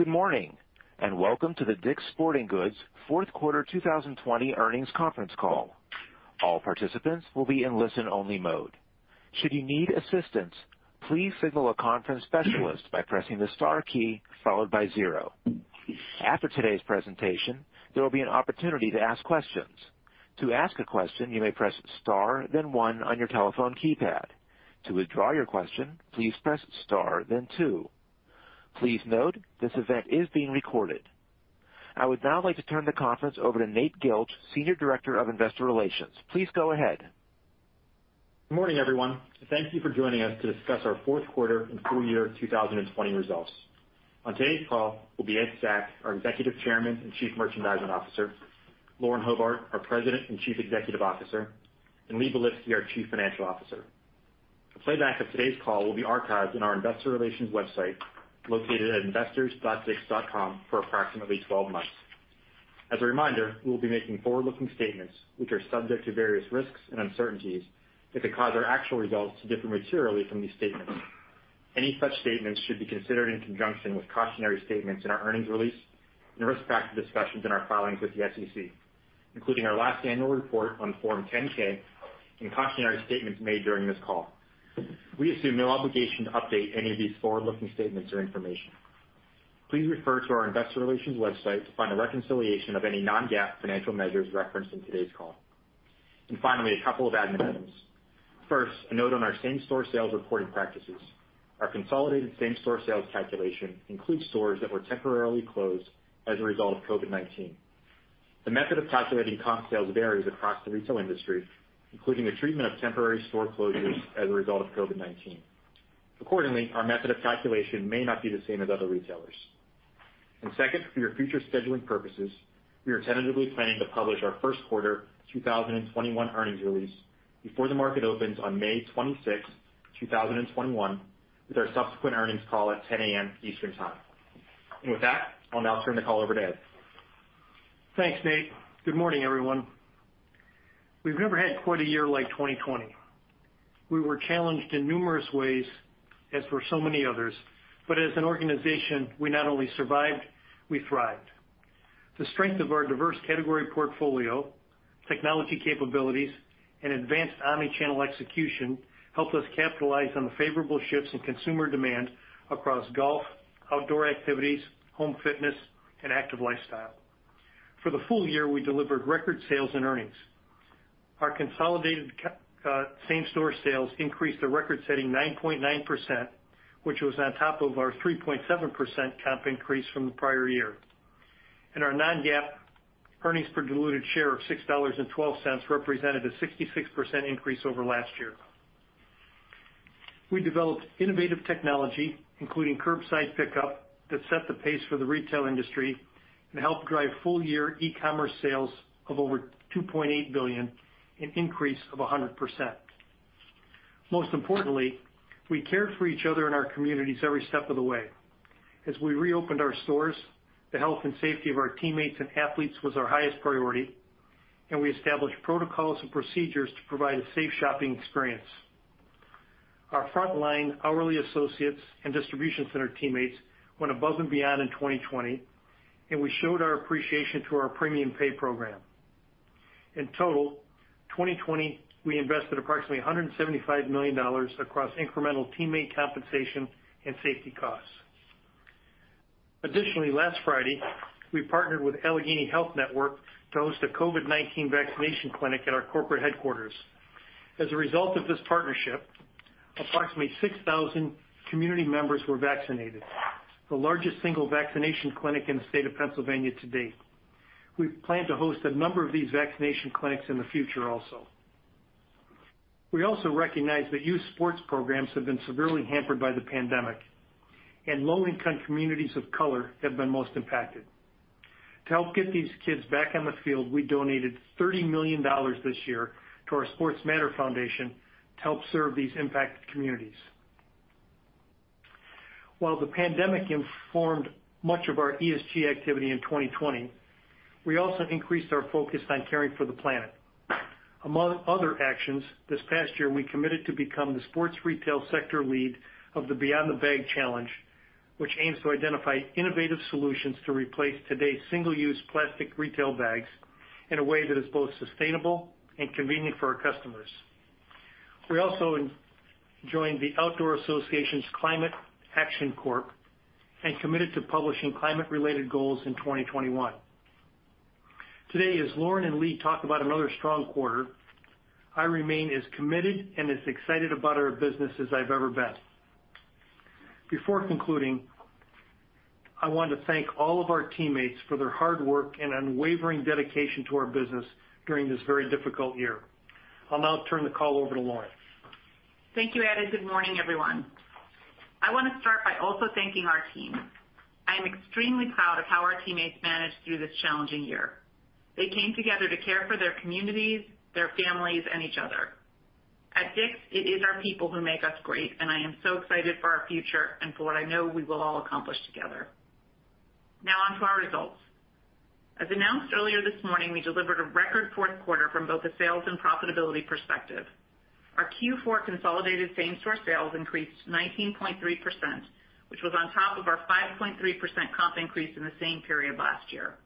Good morning, and welcome to the DICK'S Sporting Goods Fourth Quarter 2020 Earnings Conference Call. All participants will be on listen only mode. Should you need assistance please signal our conference operator by pressing star key followed by zero. After today's presentation there will be an opportunity to ask questions. To ask a question you may press star then one on your telephone keypad. To withdraw your question please press star then two. Please note this event is being recorded. I would now like to turn the conference over to Nate Gilch, Senior Director of Investor Relations. Please go ahead. Good morning, everyone. Thank you for joining us to discuss our fourth quarter and full year 2020 results. On today's call will be Ed Stack, our Executive Chairman and Chief Merchandising Officer, Lauren Hobart, our President and Chief Executive Officer, and Lee Belitsky, our Chief Financial Officer. A playback of today's call will be archived on our Investor Relations website, located at investors.dicks.com for approximately 12 months. As a reminder, we will be making forward-looking statements, which are subject to various risks and uncertainties that could cause our actual results to differ materially from these statements. Any such statements should be considered in conjunction with cautionary statements in our earnings release, and the risk factor discussions in our filings with the SEC, including our last annual report on Form 10-K, and cautionary statements made during this call. We assume no obligation to update any of these forward-looking statements or information. Please refer to our Investor Relations website to find a reconciliation of any non-GAAP financial measures referenced in today's call. Finally, a couple of admin items. First, a note on our same-store sales reporting practices. Our consolidated same-store sales calculation includes stores that were temporarily closed as a result of COVID-19. The method of calculating comp sales varies across the retail industry, including the treatment of temporary store closures as a result of COVID-19. Accordingly, our method of calculation may not be the same as other retailers. Second, for your future scheduling purposes, we are tentatively planning to publish our first quarter 2021 earnings release before the market opens on May 26, 2021, with our subsequent earnings call at 10:00 A.M. Eastern Time. With that, I'll now turn the call over to Ed. Thanks, Nate. Good morning, everyone. We've never had quite a year like 2020. We were challenged in numerous ways, as were so many others. As an organization, we not only survived, we thrived. The strength of our diverse category portfolio, technology capabilities, and advanced omni-channel execution helped us capitalize on the favorable shifts in consumer demand across golf, outdoor activities, home fitness, and active lifestyle. For the full year, we delivered record sales and earnings. Our consolidated same-store sales increased a record-setting 9.9%, which was on top of our 3.7% comp increase from the prior year. Our non-GAAP earnings per diluted share of $6.12 represented a 66% increase over last year. We developed innovative technology, including curbside pickup, that set the pace for the retail industry and helped drive full-year e-commerce sales of over $2.8 billion, an increase of 100%. Most importantly, we cared for each other in our communities every step of the way. As we reopened our stores, the health and safety of our teammates and athletes was our highest priority, and we established protocols and procedures to provide a safe shopping experience. Our frontline hourly associates and distribution center teammates went above and beyond in 2020, and we showed our appreciation through our premium pay program. In total, 2020, we invested approximately $175 million across incremental teammate compensation and safety costs. Last Friday, we partnered with Allegheny Health Network to host a COVID-19 vaccination clinic at our corporate headquarters. As a result of this partnership, approximately 6,000 community members were vaccinated, the largest single vaccination clinic in the state of Pennsylvania to date. We plan to host a number of these vaccination clinics in the future also. We also recognize that youth sports programs have been severely hampered by the pandemic, and low-income communities of color have been most impacted. To help get these kids back on the field, we donated $30 million this year to our Sports Matter Foundation to help serve these impacted communities. While the pandemic informed much of our ESG activity in 2020, we also increased our focus on caring for the planet. Among other actions, this past year, we committed to become the sports retail sector lead of the Beyond the Bag Challenge, which aims to identify innovative solutions to replace today's single-use plastic retail bags in a way that is both sustainable and convenient for our customers. We also joined the Outdoor Industry Association's Climate Action Corps and committed to publishing climate-related goals in 2021. Today, as Lauren and Lee talk about another strong quarter, I remain as committed and as excited about our business as I've ever been. Before concluding, I want to thank all of our teammates for their hard work and unwavering dedication to our business during this very difficult year. I'll now turn the call over to Lauren. Thank you, Ed, good morning, everyone. I want to start by also thanking our team. I am extremely proud of how our teammates managed through this challenging year. They came together to care for their communities, their families, and each other. At DICK'S, it is our people who make us great, and I am so excited for our future and for what I know we will all accomplish together. Now on to our results. As announced earlier this morning, we delivered a record fourth quarter from both a sales and profitability perspective. Our Q4 consolidated same-store sales increased 19.3%, which was on top of our 5.3% comp increase in the same period last year.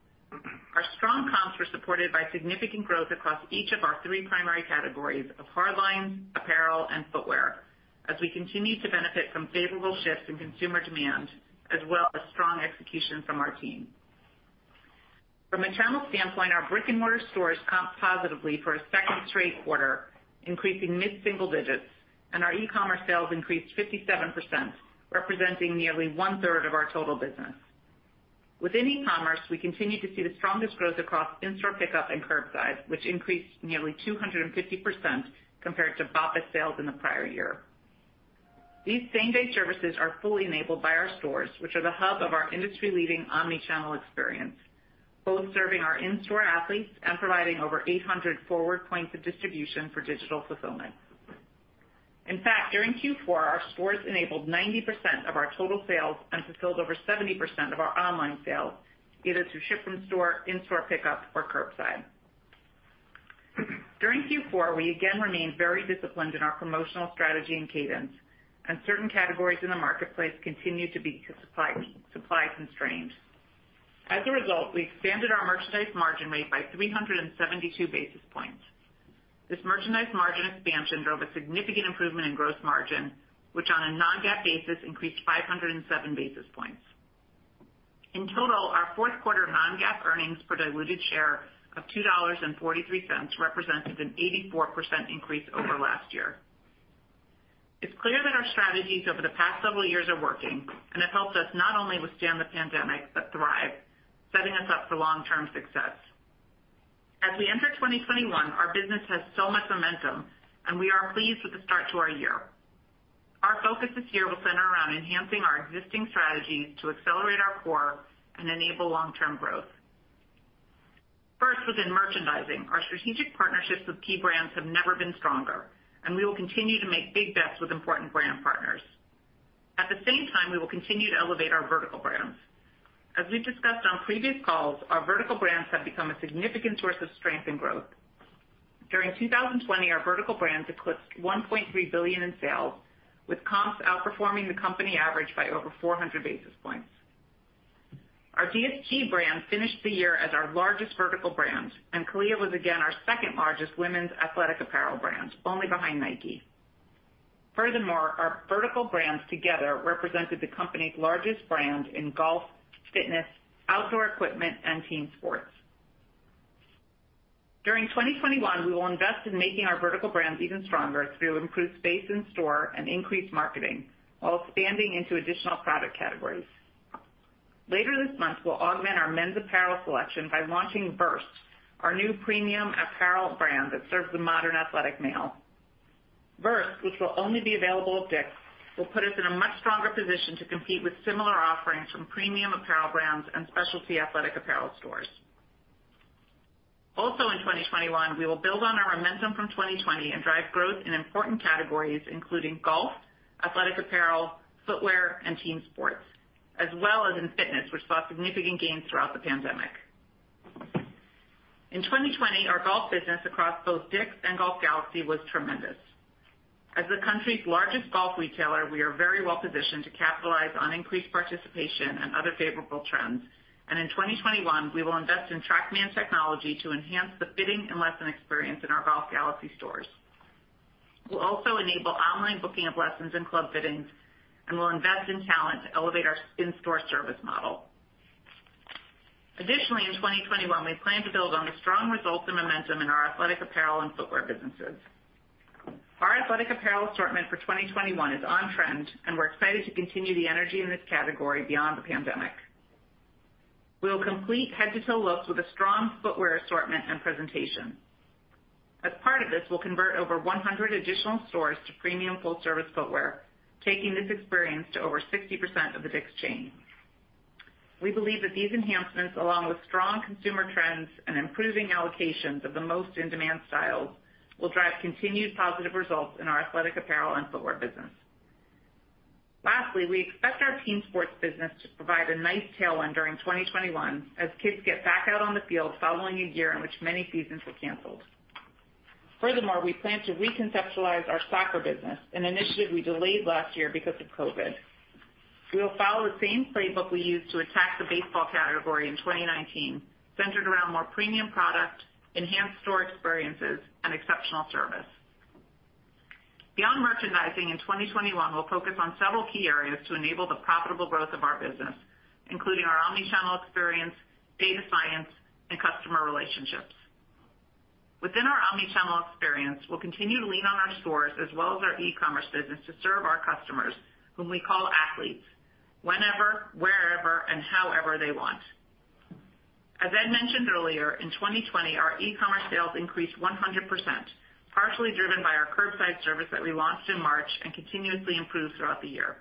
Our strong comps were supported by significant growth across each of our three primary categories of hard line, apparel, and footwear, as we continue to benefit from favorable shifts in consumer demand, as well as strong execution from our team. From a channel standpoint, our brick-and-mortar stores comped positively for a second straight quarter, increasing mid-single digits, and our e-commerce sales increased 57%, representing nearly one-third of our total business. Within e-commerce, we continue to see the strongest growth across in-store pickup and curbside, which increased nearly 250% compared to BOPIS sales in the prior year. These same-day services are fully enabled by our stores, which are the hub of our industry-leading omni-channel experience, both serving our in-store athletes and providing over 800 forward points of distribution for digital fulfillment. In fact, during Q4, our stores enabled 90% of our total sales and fulfilled over 70% of our online sales, either through ship from store, in-store pickup, or curbside. During Q4, we again remained very disciplined in our promotional strategy and cadence, and certain categories in the marketplace continued to be supply constrained. As a result, we expanded our merchandise margin rate by 372 basis points. This merchandise margin expansion drove a significant improvement in gross margin, which on a non-GAAP basis increased 507 basis points. In total, our fourth quarter non-GAAP earnings per diluted share of $2.43 represented an 84% increase over last year. It's clear that our strategies over the past several years are working and have helped us not only withstand the pandemic but thrive, setting us up for long-term success. As we enter 2021, our business has so much momentum, and we are pleased with the start to our year. Our focus this year will center around enhancing our existing strategies to accelerate our core and enable long-term growth. First, within merchandising, our strategic partnerships with key brands have never been stronger, and we will continue to make big bets with important brand partners. At the same time, we will continue to elevate our vertical brands. As we've discussed on previous calls, our vertical brands have become a significant source of strength and growth. During 2020, our vertical brands eclipsed $1.3 billion in sales, with comps outperforming the company average by over 400 basis points. Our DSG brand finished the year as our largest vertical brand, and CALIA was again our second-largest women's athletic apparel brand, only behind Nike. Furthermore, our vertical brands together represented the company's largest brand in golf, fitness, outdoor equipment, and team sports. During 2021, we will invest in making our vertical brands even stronger through improved space in-store and increased marketing while expanding into additional product categories. Later this month, we'll augment our men's apparel selection by launching VRST, our new premium apparel brand that serves the modern athletic male. VRST, which will only be available at DICK'S, will put us in a much stronger position to compete with similar offerings from premium apparel brands and specialty athletic apparel stores. Also in 2021, we will build on our momentum from 2020 and drive growth in important categories including golf, athletic apparel, footwear, and team sports, as well as in fitness, which saw significant gains throughout the pandemic. In 2020, our golf business across both DICK'S and Golf Galaxy was tremendous. As the country's largest golf retailer, we are very well-positioned to capitalize on increased participation and other favorable trends. In 2021, we will invest in TrackMan technology to enhance the fitting and lesson experience in our Golf Galaxy stores. We'll also enable online booking of lessons and club fittings, and we'll invest in talent to elevate our in-store service model. Additionally, in 2021, we plan to build on the strong results and momentum in our athletic apparel and footwear businesses. Our athletic apparel assortment for 2021 is on trend, and we're excited to continue the energy in this category beyond the pandemic. We'll complete head-to-toe looks with a strong footwear assortment and presentation. As part of this, we'll convert over 100 additional stores to premium full-service footwear, taking this experience to over 60% of the DICK'S chain. We believe that these enhancements, along with strong consumer trends and improving allocations of the most in-demand styles, will drive continued positive results in our athletic apparel and footwear business. Lastly, we expect our team sports business to provide a nice tailwind during 2021 as kids get back out on the field following a year in which many seasons were canceled. We plan to reconceptualize our soccer business, an initiative we delayed last year because of COVID. We will follow the same playbook we used to attack the baseball category in 2019, centered around more premium product, enhanced store experiences, and exceptional service. Beyond merchandising, in 2021, we'll focus on several key areas to enable the profitable growth of our business, including our omni-channel experience, data science, and customer relationships. Within our omni-channel experience, we'll continue to lean on our stores as well as our e-commerce business to serve our customers, whom we call athletes, whenever, wherever, and however they want. As Ed mentioned earlier, in 2020, our e-commerce sales increased 100%, partially driven by our curbside service that we launched in March and continuously improved throughout the year.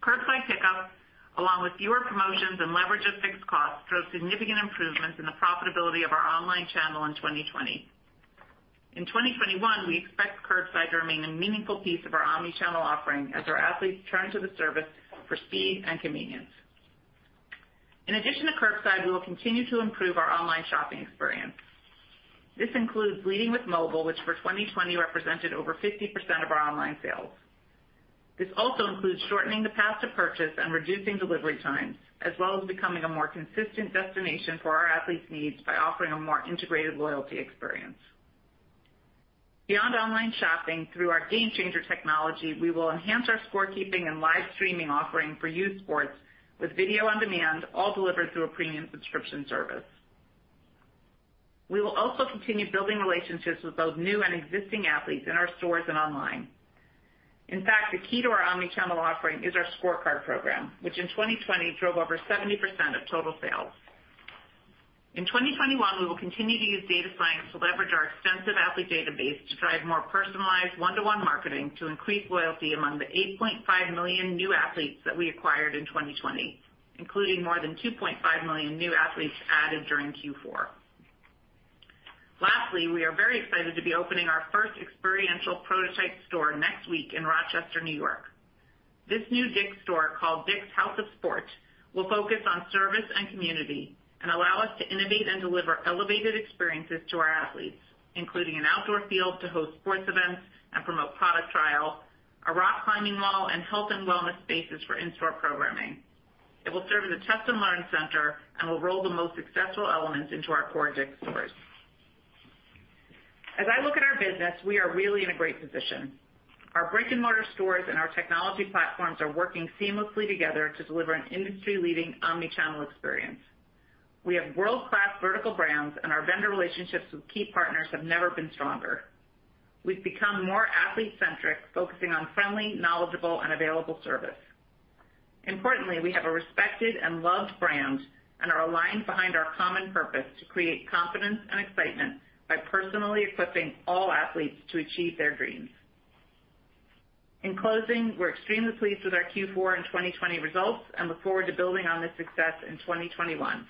Curbside pickup, along with fewer promotions and leverage of fixed costs, drove significant improvements in the profitability of our online channel in 2020. In 2021, we expect curbside to remain a meaningful piece of our omni-channel offering as our athletes turn to the service for speed and convenience. In addition to curbside, we will continue to improve our online shopping experience. This includes leading with mobile, which for 2020 represented over 50% of our online sales. This also includes shortening the path to purchase and reducing delivery times, as well as becoming a more consistent destination for our athletes' needs by offering a more integrated loyalty experience. Beyond online shopping, through our GameChanger technology, we will enhance our scorekeeping and live streaming offering for youth sports with video on demand, all delivered through a premium subscription service. We will also continue building relationships with both new and existing athletes in our stores and online. In fact, the key to our omni-channel offering is our ScoreCard program, which in 2020 drove over 70% of total sales. In 2021, we will continue to use data science to leverage our extensive athlete database to drive more personalized one-to-one marketing to increase loyalty among the 8.5 million new athletes that we acquired in 2020, including more than 2.5 million new athletes added during Q4. Lastly, we are very excited to be opening our first experiential prototype store next week in Rochester, New York. This new DICK'S store, called DICK'S House of Sport, will focus on service and community and allow us to innovate and deliver elevated experiences to our athletes, including an outdoor field to host sports events and promote product trial, a rock climbing wall, and health and wellness spaces for in-store programming. It will serve as a test and learn center and will roll the most successful elements into our core DICK'S stores. As I look at our business, we are really in a great position. Our brick and mortar stores and our technology platforms are working seamlessly together to deliver an industry-leading omni-channel experience. We have world-class vertical brands, and our vendor relationships with key partners have never been stronger. We've become more athlete-centric, focusing on friendly, knowledgeable, and available service. Importantly, we have a respected and loved brand and are aligned behind our common purpose to create confidence and excitement by personally equipping all athletes to achieve their dreams. In closing, we're extremely pleased with our Q4 and 2020 results and look forward to building on this success in 2021.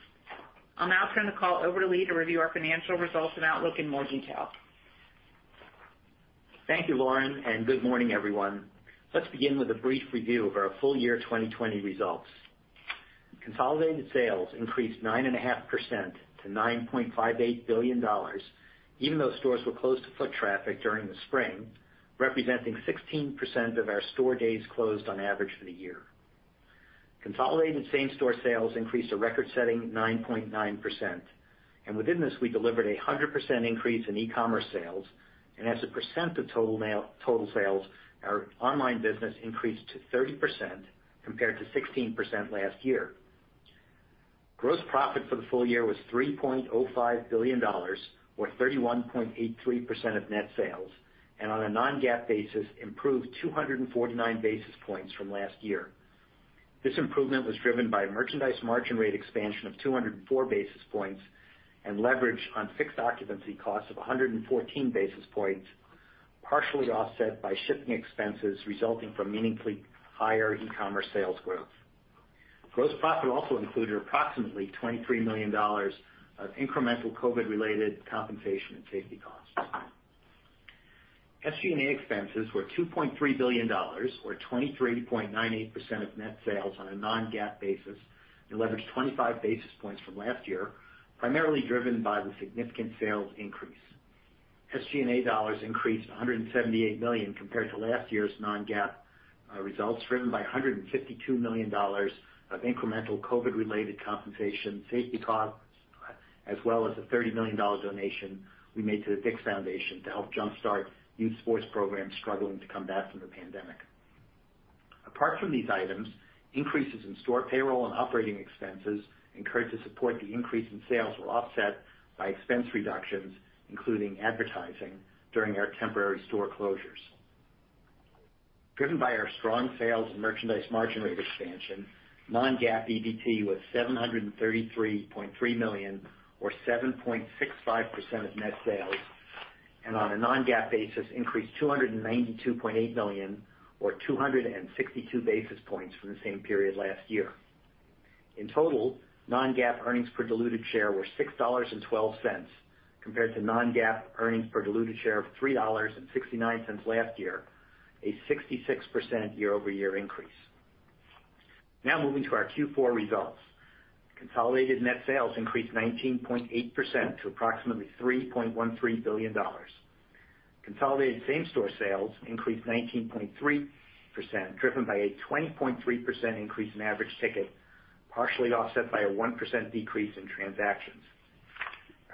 I'll now turn the call over to Lee to review our financial results and outlook in more detail. Thank you, Lauren, and good morning, everyone. Let's begin with a brief review of our full year 2020 results. Consolidated sales increased 9.5% to $9.58 billion, even though stores were closed to foot traffic during the spring, representing 16% of our store days closed on average for the year. Consolidated same-store sales increased a record-setting 9.9%, and within this, we delivered a 100% increase in e-commerce sales, and as a percent of total sales, our online business increased to 30% compared to 16% last year. Gross profit for the full year was $3.05 billion or 31.83% of net sales, and on a non-GAAP basis, improved 249 basis points from last year. This improvement was driven by a merchandise margin rate expansion of 204 basis points and leverage on fixed occupancy costs of 114 basis points, partially offset by shipping expenses resulting from meaningfully higher e-commerce sales growth. Gross profit also included approximately $23 million of incremental COVID-related compensation and safety costs. SG&A expenses were $2.3 billion or 23.98% of net sales on a non-GAAP basis and leveraged 25 basis points from last year, primarily driven by the significant sales increase. SG&A dollars increased $178 million compared to last year's non-GAAP results, driven by $152 million of incremental COVID-related compensation, safety costs, as well as a $30 million donation we made to the DICK'S Foundation to help jumpstart youth sports programs struggling to come back from the pandemic. Apart from these items, increases in store payroll and operating expenses incurred to support the increase in sales were offset by expense reductions, including advertising during our temporary store closures. Driven by our strong sales and merchandise margin rate expansion, non-GAAP EBT was $733.3 million or 7.65% of net sales, and on a non-GAAP basis, increased $292.8 million or 262 basis points from the same period last year. In total, non-GAAP earnings per diluted share were $6.12 compared to non-GAAP earnings per diluted share of $3.69 last year, a 66% year-over-year increase. Moving to our Q4 results. Consolidated net sales increased 19.8% to approximately $3.13 billion. Consolidated same-store sales increased 19.3%, driven by a 20.3% increase in average ticket, partially offset by a 1% decrease in transactions.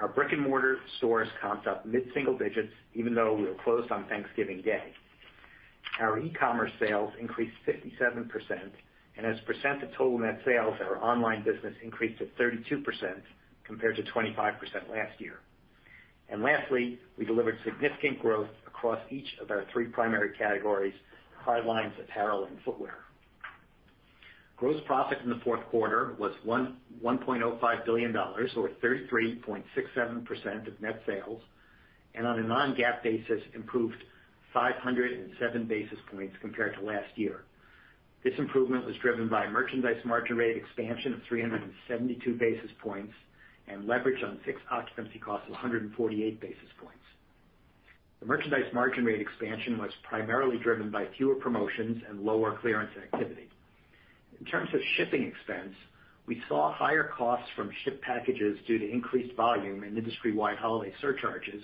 Our brick and mortar stores comped up mid-single digits even though we were closed on Thanksgiving Day. Our e-commerce sales increased 57%, and as a percent of total net sales, our online business increased to 32% compared to 25% last year. Lastly, we delivered significant growth across each of our three primary categories, hardlines, apparel, and footwear. Gross profit in the fourth quarter was $1.05 billion or 33.67% of net sales and on a non-GAAP basis, improved 507 basis points compared to last year. This improvement was driven by merchandise margin rate expansion of 372 basis points and leverage on fixed occupancy costs of 148 basis points. The merchandise margin rate expansion was primarily driven by fewer promotions and lower clearance activity. In terms of shipping expense, we saw higher costs from shipped packages due to increased volume and industry-wide holiday surcharges.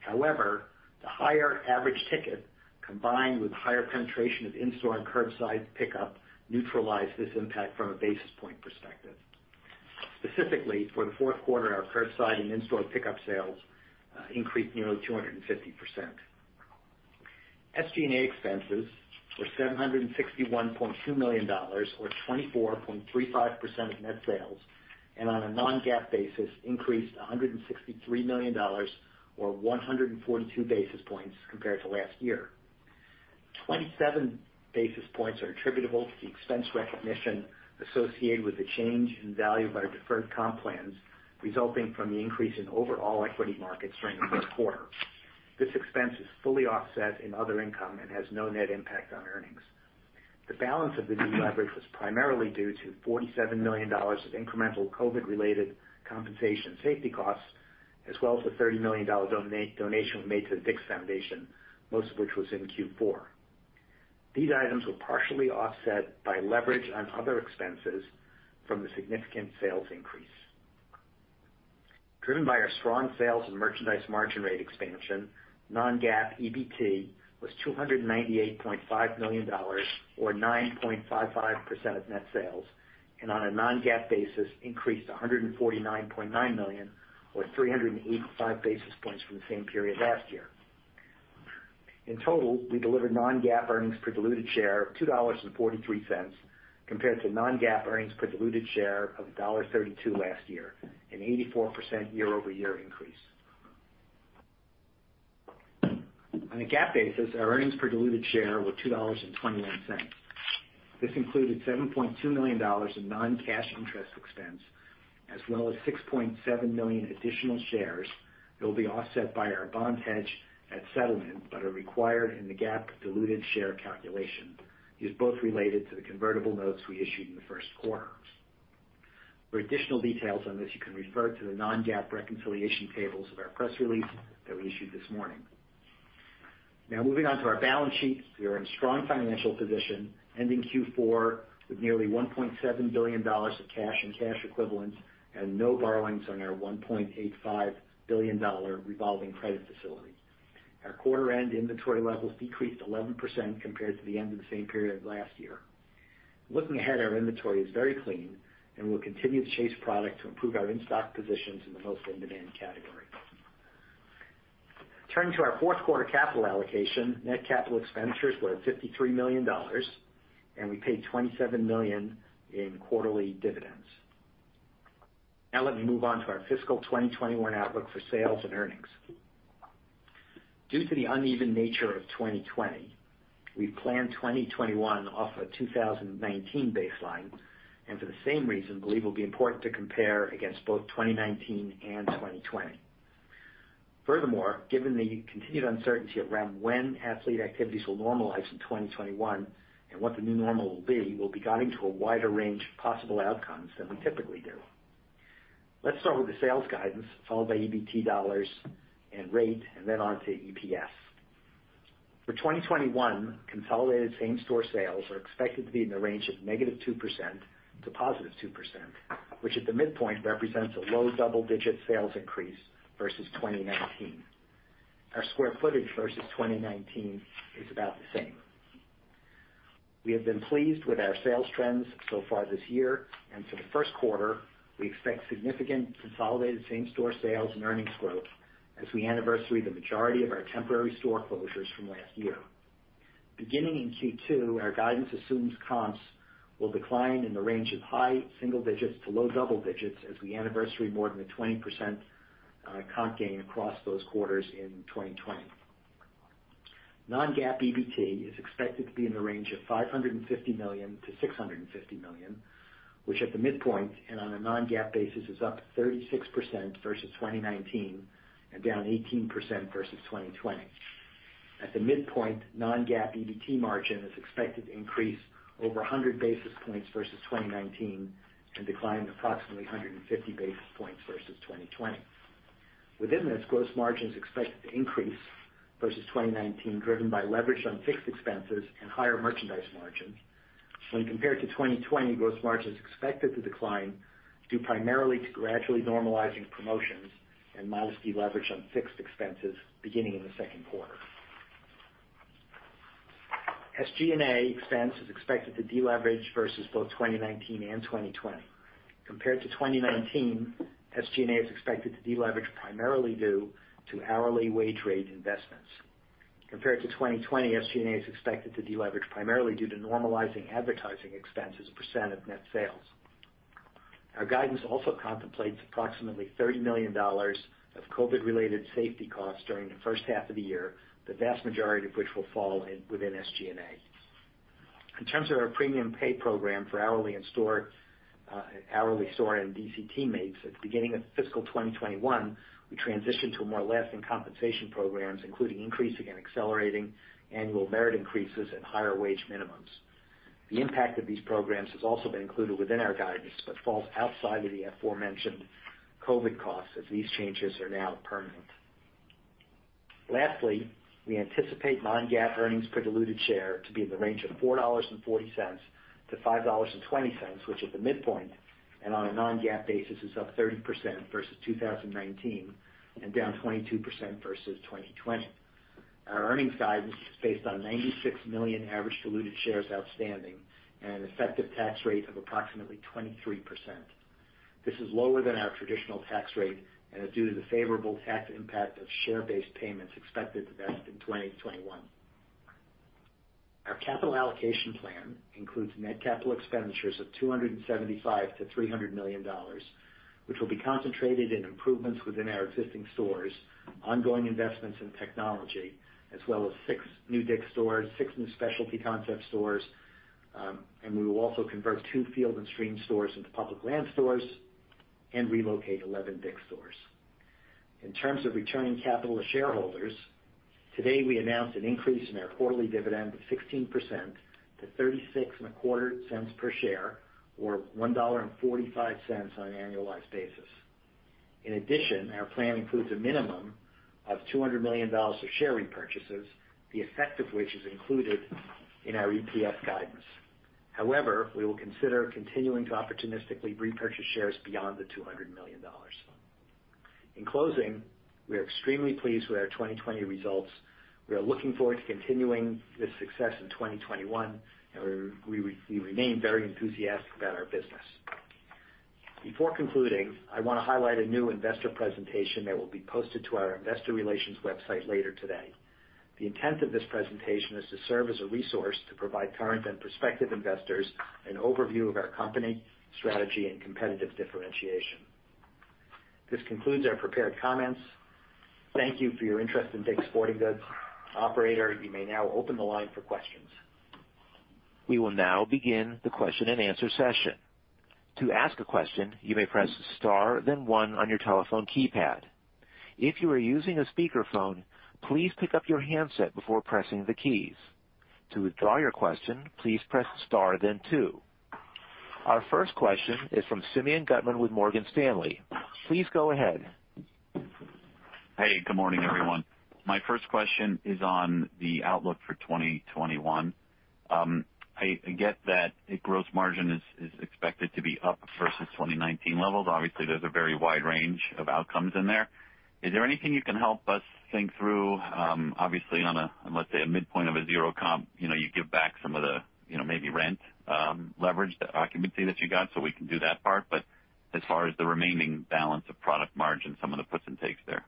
However, the higher average ticket, combined with higher penetration of in-store and curbside pickup, neutralized this impact from a basis point perspective. Specifically, for the fourth quarter, our curbside and in-store pickup sales increased nearly 250%. SG&A expenses were $761.2 million, or 24.35% of net sales, and on a non-GAAP basis, increased to $163 million, or 142 basis points compared to last year. 27 basis points are attributable to the expense recognition associated with the change in value of our deferred comp plans, resulting from the increase in overall equity markets during the fourth quarter. This expense is fully offset in other income and has no net impact on earnings. The balance of the deleverage was primarily due to $47 million of incremental COVID-related compensation safety costs, as well as the $30 million donation made to the DICK'S Foundation, most of which was in Q4. These items were partially offset by leverage on other expenses from the significant sales increase. Driven by our strong sales and merchandise margin rate expansion, non-GAAP EBT was $298.5 million, or 9.55% of net sales, and on a non-GAAP basis, increased to $149.9 million, or 385 basis points from the same period last year. In total, we delivered non-GAAP earnings per diluted share of $2.43, compared to non-GAAP earnings per diluted share of $1.32 last year, an 84% year-over-year increase. On a GAAP basis, our earnings per diluted share were $2.21. This included $7.2 million in non-cash interest expense, as well as 6.7 million additional shares that will be offset by our bonds hedged at settlement but are required in the GAAP diluted share calculation, is both related to the convertible notes we issued in the first quarter. For additional details on this, you can refer to the non-GAAP reconciliation tables of our press release that we issued this morning. Moving on to our balance sheet. We are in strong financial position, ending Q4 with nearly $1.7 billion of cash and cash equivalents and no borrowings on our $1.85 billion revolving credit facility. Our quarter-end inventory levels decreased 11% compared to the end of the same period last year. Looking ahead, our inventory is very clean, and we'll continue to chase product to improve our in-stock positions in the most in-demand categories. Turning to our fourth quarter capital allocation, net capital expenditures were at $53 million, and we paid $27 million in quarterly dividends. Let me move on to our fiscal 2021 outlook for sales and earnings. Due to the uneven nature of 2020, we've planned 2021 off a 2019 baseline, and for the same reason, believe it'll be important to compare against both 2019 and 2020. Furthermore, given the continued uncertainty around when athlete activities will normalize in 2021 and what the new normal will be, we'll be guiding to a wider range of possible outcomes than we typically do. Let's start with the sales guidance, followed by EBT dollars and rate, and then on to EPS. For 2021, consolidated same-store sales are expected to be in the range of -2% to +2%, which at the midpoint represents a low double-digit sales increase versus 2019. Our square footage versus 2019 is about the same. For the first quarter, we expect significant consolidated same-store sales and earnings growth as we anniversary the majority of our temporary store closures from last year. Beginning in Q2, our guidance assumes comps will decline in the range of high single digits to low double digits as we anniversary more than a 20% comp gain across those quarters in 2020. Non-GAAP EBT is expected to be in the range of $550 million-$650 million, which at the midpoint and on a non-GAAP basis, is up 36% versus 2019 and down 18% versus 2020. At the midpoint, non-GAAP EBT margin is expected to increase over 100 basis points versus 2019 and decline approximately 150 basis points versus 2020. Within this, gross margin is expected to increase versus 2019, driven by leverage on fixed expenses and higher merchandise margins. When compared to 2020, gross margin is expected to decline due primarily to gradually normalizing promotions and modest deleverage on fixed expenses beginning in the second quarter. SG&A expense is expected to deleverage versus both 2019 and 2020. Compared to 2019, SG&A is expected to deleverage primarily due to hourly wage rate investments. Compared to 2020, SG&A is expected to deleverage primarily due to normalizing advertising expense as a percent of net sales. Our guidance also contemplates approximately $30 million of COVID-related safety costs during the first half of the year, the vast majority of which will fall within SG&A. In terms of our premium pay program for hourly store and DC teammates, at the beginning of fiscal 2021, we transitioned to more lasting compensation programs, including increasing and accelerating annual merit increases and higher wage minimums. The impact of these programs has also been included within our guidance but falls outside of the aforementioned COVID costs as these changes are now permanent. Lastly, we anticipate non-GAAP earnings per diluted share to be in the range of $4.40-$5.20, which at the midpoint, and on a non-GAAP basis, is up 30% versus 2019 and down 22% versus 2020. Our earnings guidance is based on 96 million average diluted shares outstanding and an effective tax rate of approximately 23%. This is lower than our traditional tax rate and is due to the favorable tax impact of share-based payments expected to vest in 2021. Our capital allocation plan includes net CapEx of $275 million-$300 million, which will be concentrated in improvements within our existing stores, ongoing investments in technology, as well as six new DICK'S stores, six new specialty concept stores, and we will also convert two Field & Stream stores into Public Lands stores and relocate 11 DICK'S stores. In terms of returning capital to shareholders, today we announced an increase in our quarterly dividend of 16% to $0.3625 per share, or $1.45 on an annualized basis. In addition, our plan includes a minimum of $200 million of share repurchases, the effect of which is included in our EPS guidance. However, we will consider continuing to opportunistically repurchase shares beyond the $200 million. In closing, we are extremely pleased with our 2020 results. We are looking forward to continuing this success in 2021, and we remain very enthusiastic about our business. Before concluding, I want to highlight a new investor presentation that will be posted to our Investor Relations website later today. The intent of this presentation is to serve as a resource to provide current and prospective investors an overview of our company, strategy, and competitive differentiation. This concludes our prepared comments. Thank you for your interest in DICK'S Sporting Goods. Operator, you may now open the line for questions. We will now begin the question and answer session. To ask question you may press star then one on your telephone keypad. If you are using speakerphone please pick up your handset before pressing the keys. To withdraw your question press star then two. Our first question is from Simeon Gutman with Morgan Stanley. Please go ahead. Hey, good morning, everyone. My first question is on the outlook for 2021. I get that gross margin is expected to be up versus 2019 levels. Obviously, there's a very wide range of outcomes in there. Is there anything you can help us think through? Obviously on, let's say, a midpoint of a zero comp, you give back some of the maybe rent leverage, the occupancy that you got, so we can do that part. As far as the remaining balance of product margin, some of the puts and takes there.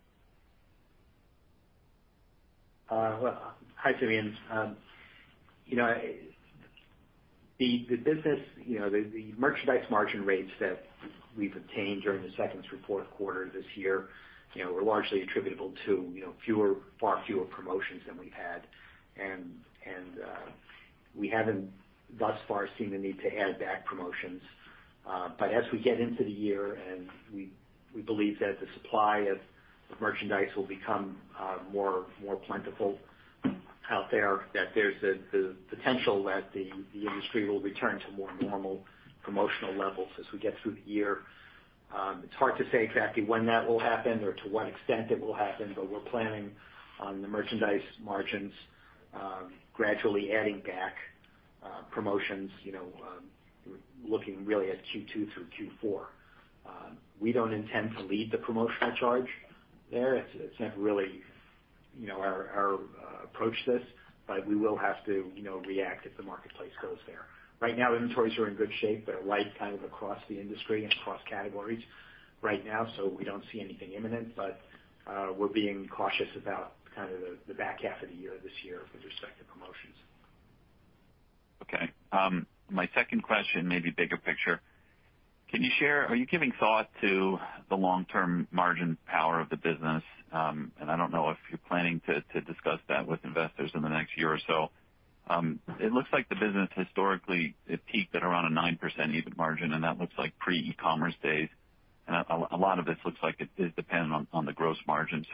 Hi, Simeon. The merchandise margin rates that we've obtained during the second through fourth quarter this year were largely attributable to far fewer promotions than we've had. We haven't thus far seen the need to add back promotions. As we get into the year and we believe that the supply of merchandise will become more plentiful out there, that there's the potential that the industry will return to more normal promotional levels as we get through the year. It's hard to say exactly when that will happen or to what extent it will happen, but we're planning on the merchandise margins gradually adding back promotions, looking really at Q2 through Q4. We don't intend to lead the promotional charge there. It's not really our approach to this, but we will have to react if the marketplace goes there. Right now, inventories are in good shape. They're light across the industry and across categories right now, so we don't see anything imminent, but we're being cautious about the back half of the year this year with respect to promotions. Okay. My second question may be bigger picture. Are you giving thought to the long-term margin power of the business? I don't know if you're planning to discuss that with investors in the next year or so. It looks like the business historically, it peaked at around a 9% EBIT margin, and that looks like pre-e-commerce days. A lot of this looks like it is dependent on the gross margin.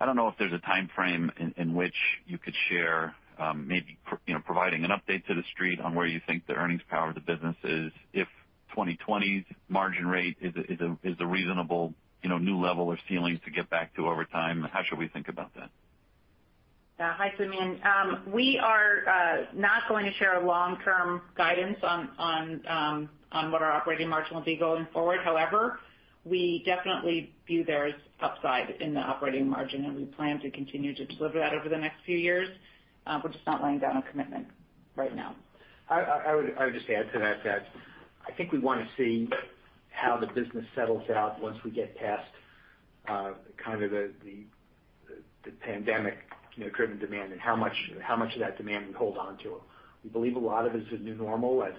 I don't know if there's a timeframe in which you could share, maybe providing an update to the street on where you think the earnings power of the business is, if 2020's margin rate is the reasonable new level or ceiling to get back to over time. How should we think about that? Hi, Simeon. We are not going to share a long-term guidance on what our operating margin will be going forward. However, we definitely view there is upside in the operating margin, and we plan to continue to deliver that over the next few years. We're just not laying down a commitment right now. I would just add to that I think we want to see how the business settles out once we get past the pandemic-driven demand and how much of that demand we hold onto. We believe a lot of it is a new normal, and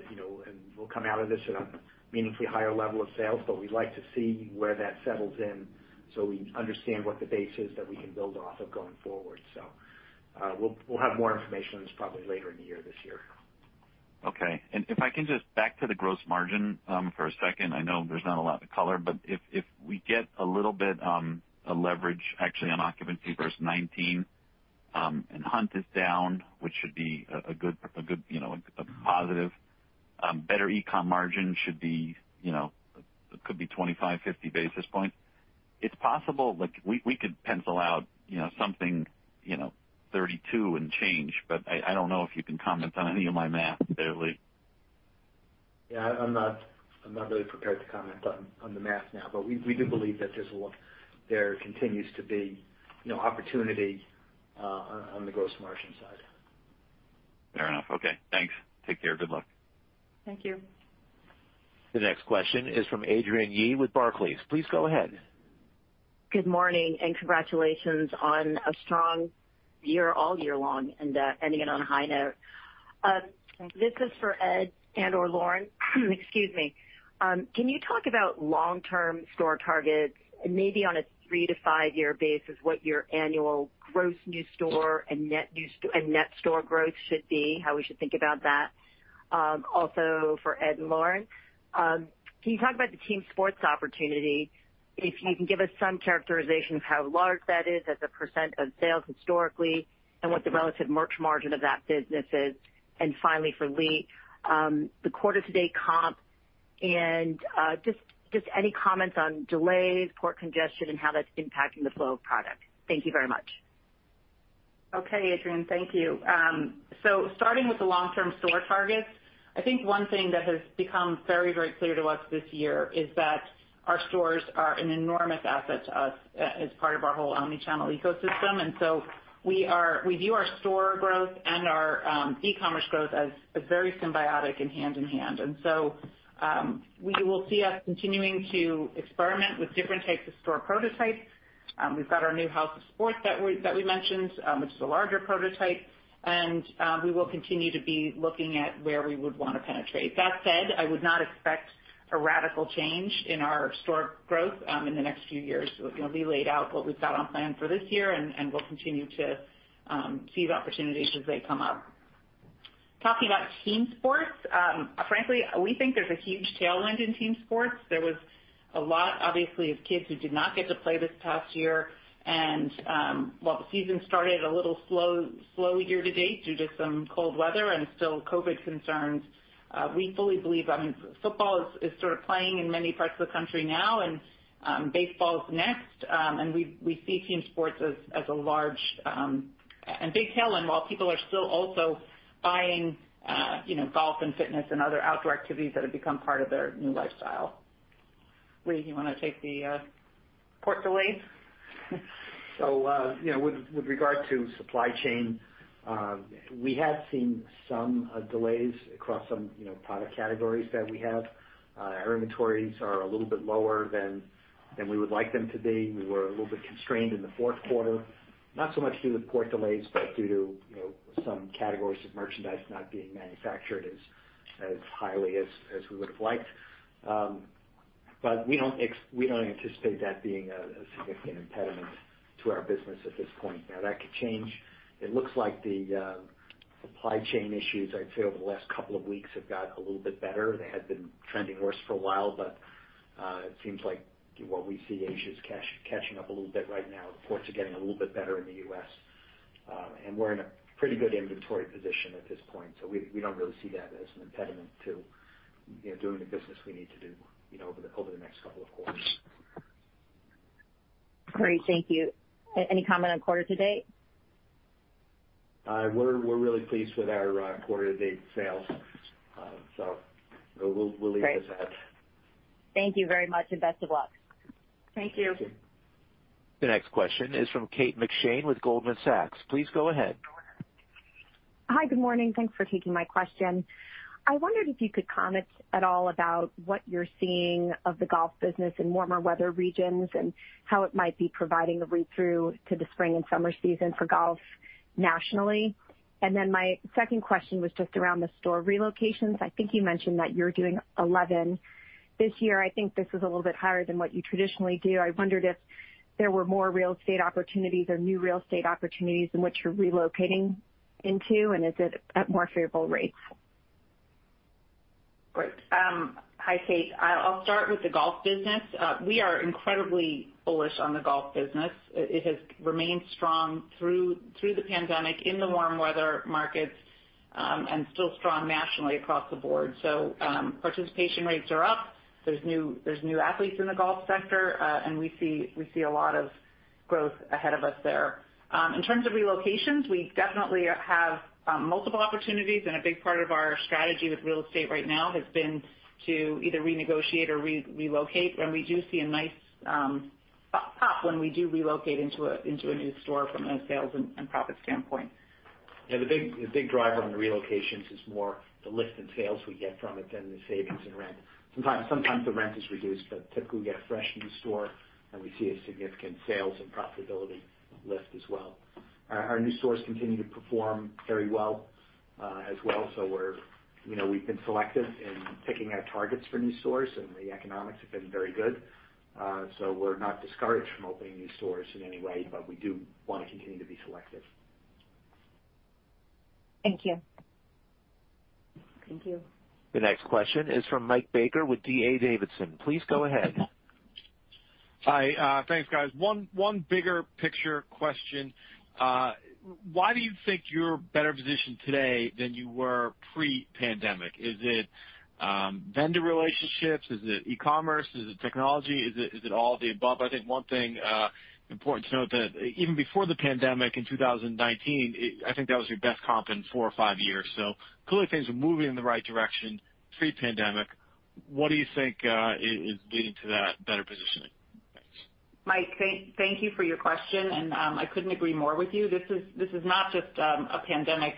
we'll come out of this at a meaningfully higher level of sales, but we'd like to see where that settles in so we understand what the base is that we can build off of going forward. We'll have more information on this probably later in the year this year. Okay. If I can just back to the gross margin for a second. I know there's not a lot to color, but if we get a little bit of leverage actually on occupancy versus 2019, and hunt is down, which should be a positive. Better e-com margin. It could be 25, 50 basis points. It's possible, we could pencil out something 32 and change, but I don't know if you can comment on any of my math there, Lee. Yeah, I'm not really prepared to comment on the math now, but we do believe that there continues to be opportunity on the gross margin side. Fair enough. Okay, thanks. Take care. Good luck. Thank you. The next question is from Adrienne Yih with Barclays. Please go ahead. Good morning, and congratulations on a strong year all year long and ending it on a high note. Thank you. This is for Ed and/or Lauren. Excuse me. Can you talk about long-term store targets, maybe on a three to five year basis, what your annual gross new store and net store growth should be, how we should think about that? Also for Ed and Lauren, can you talk about the team sports opportunity? If you can give us some characterization of how large that is as a percent of sales historically, and what the relative merch margin of that business is. Finally for Lee, the quarter-to-date comp and just any comments on delays, port congestion, and how that's impacting the flow of product. Thank you very much. Okay, Adrienne. Thank you. Starting with the long term store targets, I think one thing that has become very clear to us this year is that our stores are an enormous asset to us as part of our whole omni-channel ecosystem. We view our store growth and our e-commerce growth as very symbiotic and hand in hand. You will see us continuing to experiment with different types of store prototypes. We've got our new House of Sport that we mentioned, which is a larger prototype, and we will continue to be looking at where we would want to penetrate. That said, I would not expect a radical change in our store growth in the next few years. Lee laid out what we've got on plan for this year, and we'll continue to seize opportunities as they come up. Talking about team sports, frankly, we think there's a huge tailwind in team sports. There was a lot, obviously, of kids who did not get to play this past year, and while the season started a little slow year to date due to some cold weather and still COVID concerns, we fully believe football is playing in many parts of the country now, and baseball is next. We see team sports as a large and big tailwind while people are still also buying golf and fitness and other outdoor activities that have become part of their new lifestyle. Lee, you want to take the port delays? With regard to supply chain, we have seen some delays across some product categories that we have. Our inventories are a little bit lower than we would like them to be. We were a little bit constrained in the fourth quarter, not so much due to port delays, but due to some categories of merchandise not being manufactured as highly as we would've liked. We don't anticipate that being a significant impediment to our business at this point. Now, that could change. It looks like the supply chain issues, I'd say over the last couple of weeks, have got a little bit better. They had been trending worse for a while, but it seems like what we see, Asia's catching up a little bit right now. The ports are getting a little bit better in the U.S. We're in a pretty good inventory position at this point. We don't really see that as an impediment to doing the business we need to do over the next couple of quarters. Great. Thank you. Any comment on quarter to date? We're really pleased with our quarter-to-date sales. We'll leave it at that. Great. Thank you very much, and best of luck. Thank you. Thank you. The next question is from Kate McShane with Goldman Sachs. Please go ahead. Hi. Good morning. Thanks for taking my question. I wondered if you could comment at all about what you're seeing of the golf business in warmer weather regions and how it might be providing the read-through to the spring and summer season for golf nationally. My second question was just around the store relocations. I think you mentioned that you're doing 11 this year. I think this is a little bit higher than what you traditionally do. I wondered if there were more real estate opportunities or new real estate opportunities in which you're relocating into, and is it at more favorable rates? Great. Hi, Kate. I'll start with the golf business. We are incredibly bullish on the golf business. It has remained strong through the pandemic in the warm weather markets, and still strong nationally across the board. Participation rates are up. There's new athletes in the golf sector. We see a lot of growth ahead of us there. In terms of relocations, we definitely have multiple opportunities, and a big part of our strategy with real estate right now has been to either renegotiate or relocate. We do see a nice pop when we do relocate into a new store from a sales and profit standpoint. Yeah, the big driver on the relocations is more the lift in sales we get from it than the savings in rent. Sometimes the rent is reduced, but typically you get a fresh new store, and we see a significant sales and profitability lift as well. Our new stores continue to perform very well, as well. We've been selective in picking our targets for new stores, and the economics have been very good. We're not discouraged from opening new stores in any way, but we do want to continue to be selective. Thank you. Thank you. The next question is from Mike Baker with D.A. Davidson. Please go ahead. Hi. Thanks, guys. One bigger picture question. Why do you think you're better positioned today than you were pre-pandemic? Is it vendor relationships? Is it e-commerce? Is it technology? Is it all the above? I think one thing important to note that even before the pandemic in 2019, I think that was your best comp in four or five years. Clearly things were moving in the right direction pre-pandemic. What do you think is leading to that better positioning? Thanks. Mike, thank you for your question. I couldn't agree more with you. This is not just a pandemic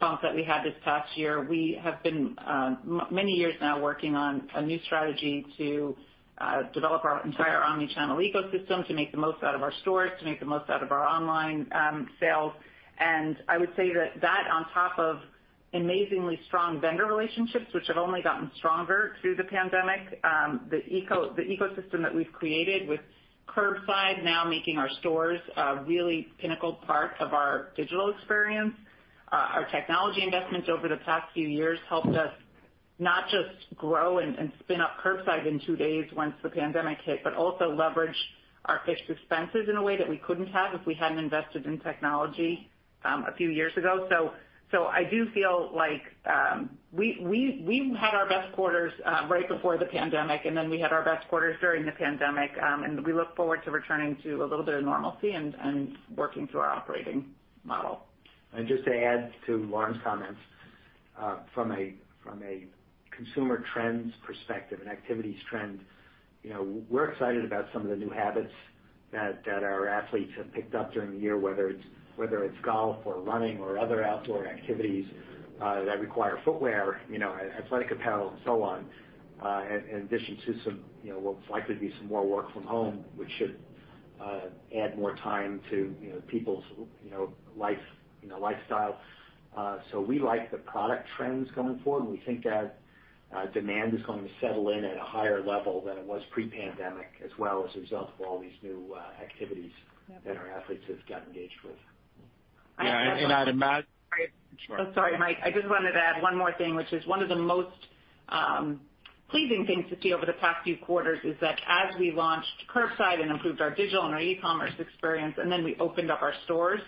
bump that we had this past year. We have been many years now working on a new strategy to develop our entire omni-channel ecosystem to make the most out of our stores, to make the most out of our online sales. I would say that on top of amazingly strong vendor relationships, which have only gotten stronger through the pandemic, the ecosystem that we've created with curbside now making our stores a really pinnacle part of our digital experience. Our technology investments over the past few years helped us not just grow and spin up curbside in two days once the pandemic hit, but also leverage our fixed expenses in a way that we couldn't have if we hadn't invested in technology a few years ago. I do feel like we had our best quarters right before the pandemic, and then we had our best quarters during the pandemic. We look forward to returning to a little bit of normalcy and working through our operating model. Just to add to Lauren's comments, from a consumer trends perspective and activities trend, we're excited about some of the new habits that our athletes have picked up during the year, whether it's golf or running or other outdoor activities that require footwear, athletic apparel, and so on, in addition to what's likely to be some more work from home, which should add more time to people's lifestyle. We like the product trends going forward, and we think that demand is going to settle in at a higher level than it was pre-pandemic, as well as a result of all these new activities that our athletes have got engaged with. I have one more. Yeah, and I'd imagine. Sorry, Mike. I just wanted to add one more thing, which is one of the most pleasing things to see over the past few quarters is that as we launched curbside and improved our digital and our e-commerce experience, and then we opened up our stores,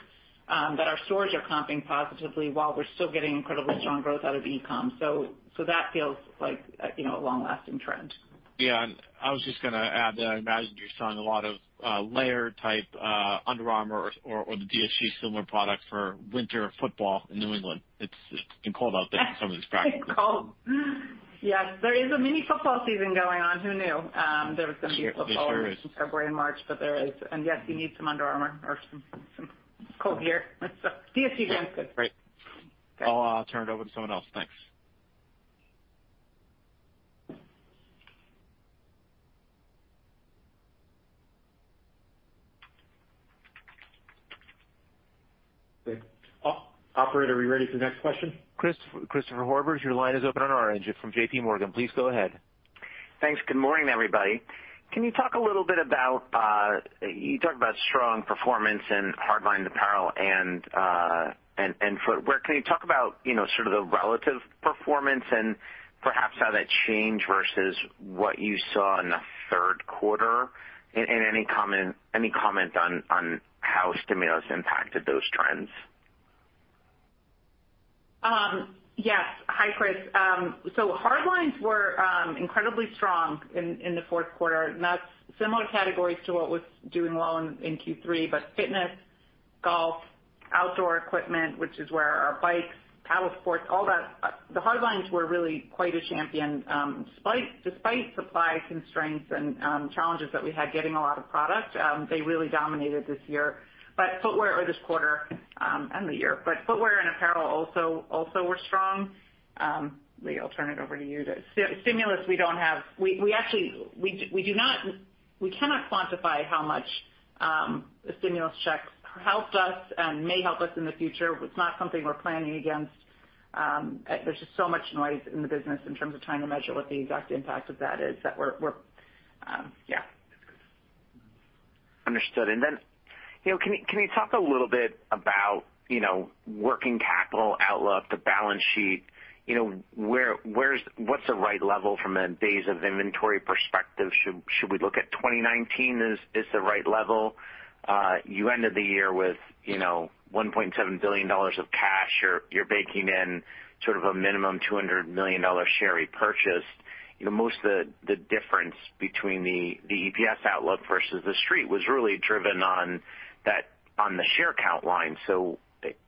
that our stores are comping positively while we're still getting incredibly strong growth out of e-com. That feels like a long-lasting trend. Yeah, I was just going to add that I imagine you're selling a lot of layer-type Under Armour or the DSG similar product for winter football in New England. It's been cold out there for some of these practices. It's cold. Yes. There is a mini football season going on. Who knew there was going to be football. There sure is. In February and March, but there is. Yes, you need some Under Armour or some ColdGear. DSG brands. Good. Great. Okay. I'll turn it over to someone else. Thanks. Great. Operator, are we ready for the next question? Christopher Horvers, your line is open on our end. You're from JPMorgan. Please go ahead. Thanks. Good morning, everybody. You talked about strong performance in hard line apparel and footwear. Can you talk about sort of the relative performance and perhaps how that changed versus what you saw in the third quarter? Any comment on how stimulus impacted those trends? Yes. Hi, Chris. Hard lines were incredibly strong in the fourth quarter, and that's similar categories to what was doing well in Q3, fitness, golf, outdoor equipment, which is where our bikes, paddle sports, all that. The hard lines were really quite a champion despite supply constraints and challenges that we had getting a lot of product. They really dominated this year, or this quarter, and the year. Footwear and apparel also were strong. Lee, I'll turn it over to you. Stimulus, we cannot quantify how much the stimulus checks helped us and may help us in the future. It's not something we're planning against. There's just so much noise in the business in terms of trying to measure what the exact impact of that is. Understood. Can you talk a little bit about working capital outlook, the balance sheet? What's the right level from a days of inventory perspective? Should we look at 2019 as the right level? You ended the year with $1.7 billion of cash. You're baking in sort of a minimum $200 million share repurchase. Most of the difference between the EPS outlook versus the Street was really driven on the share count line.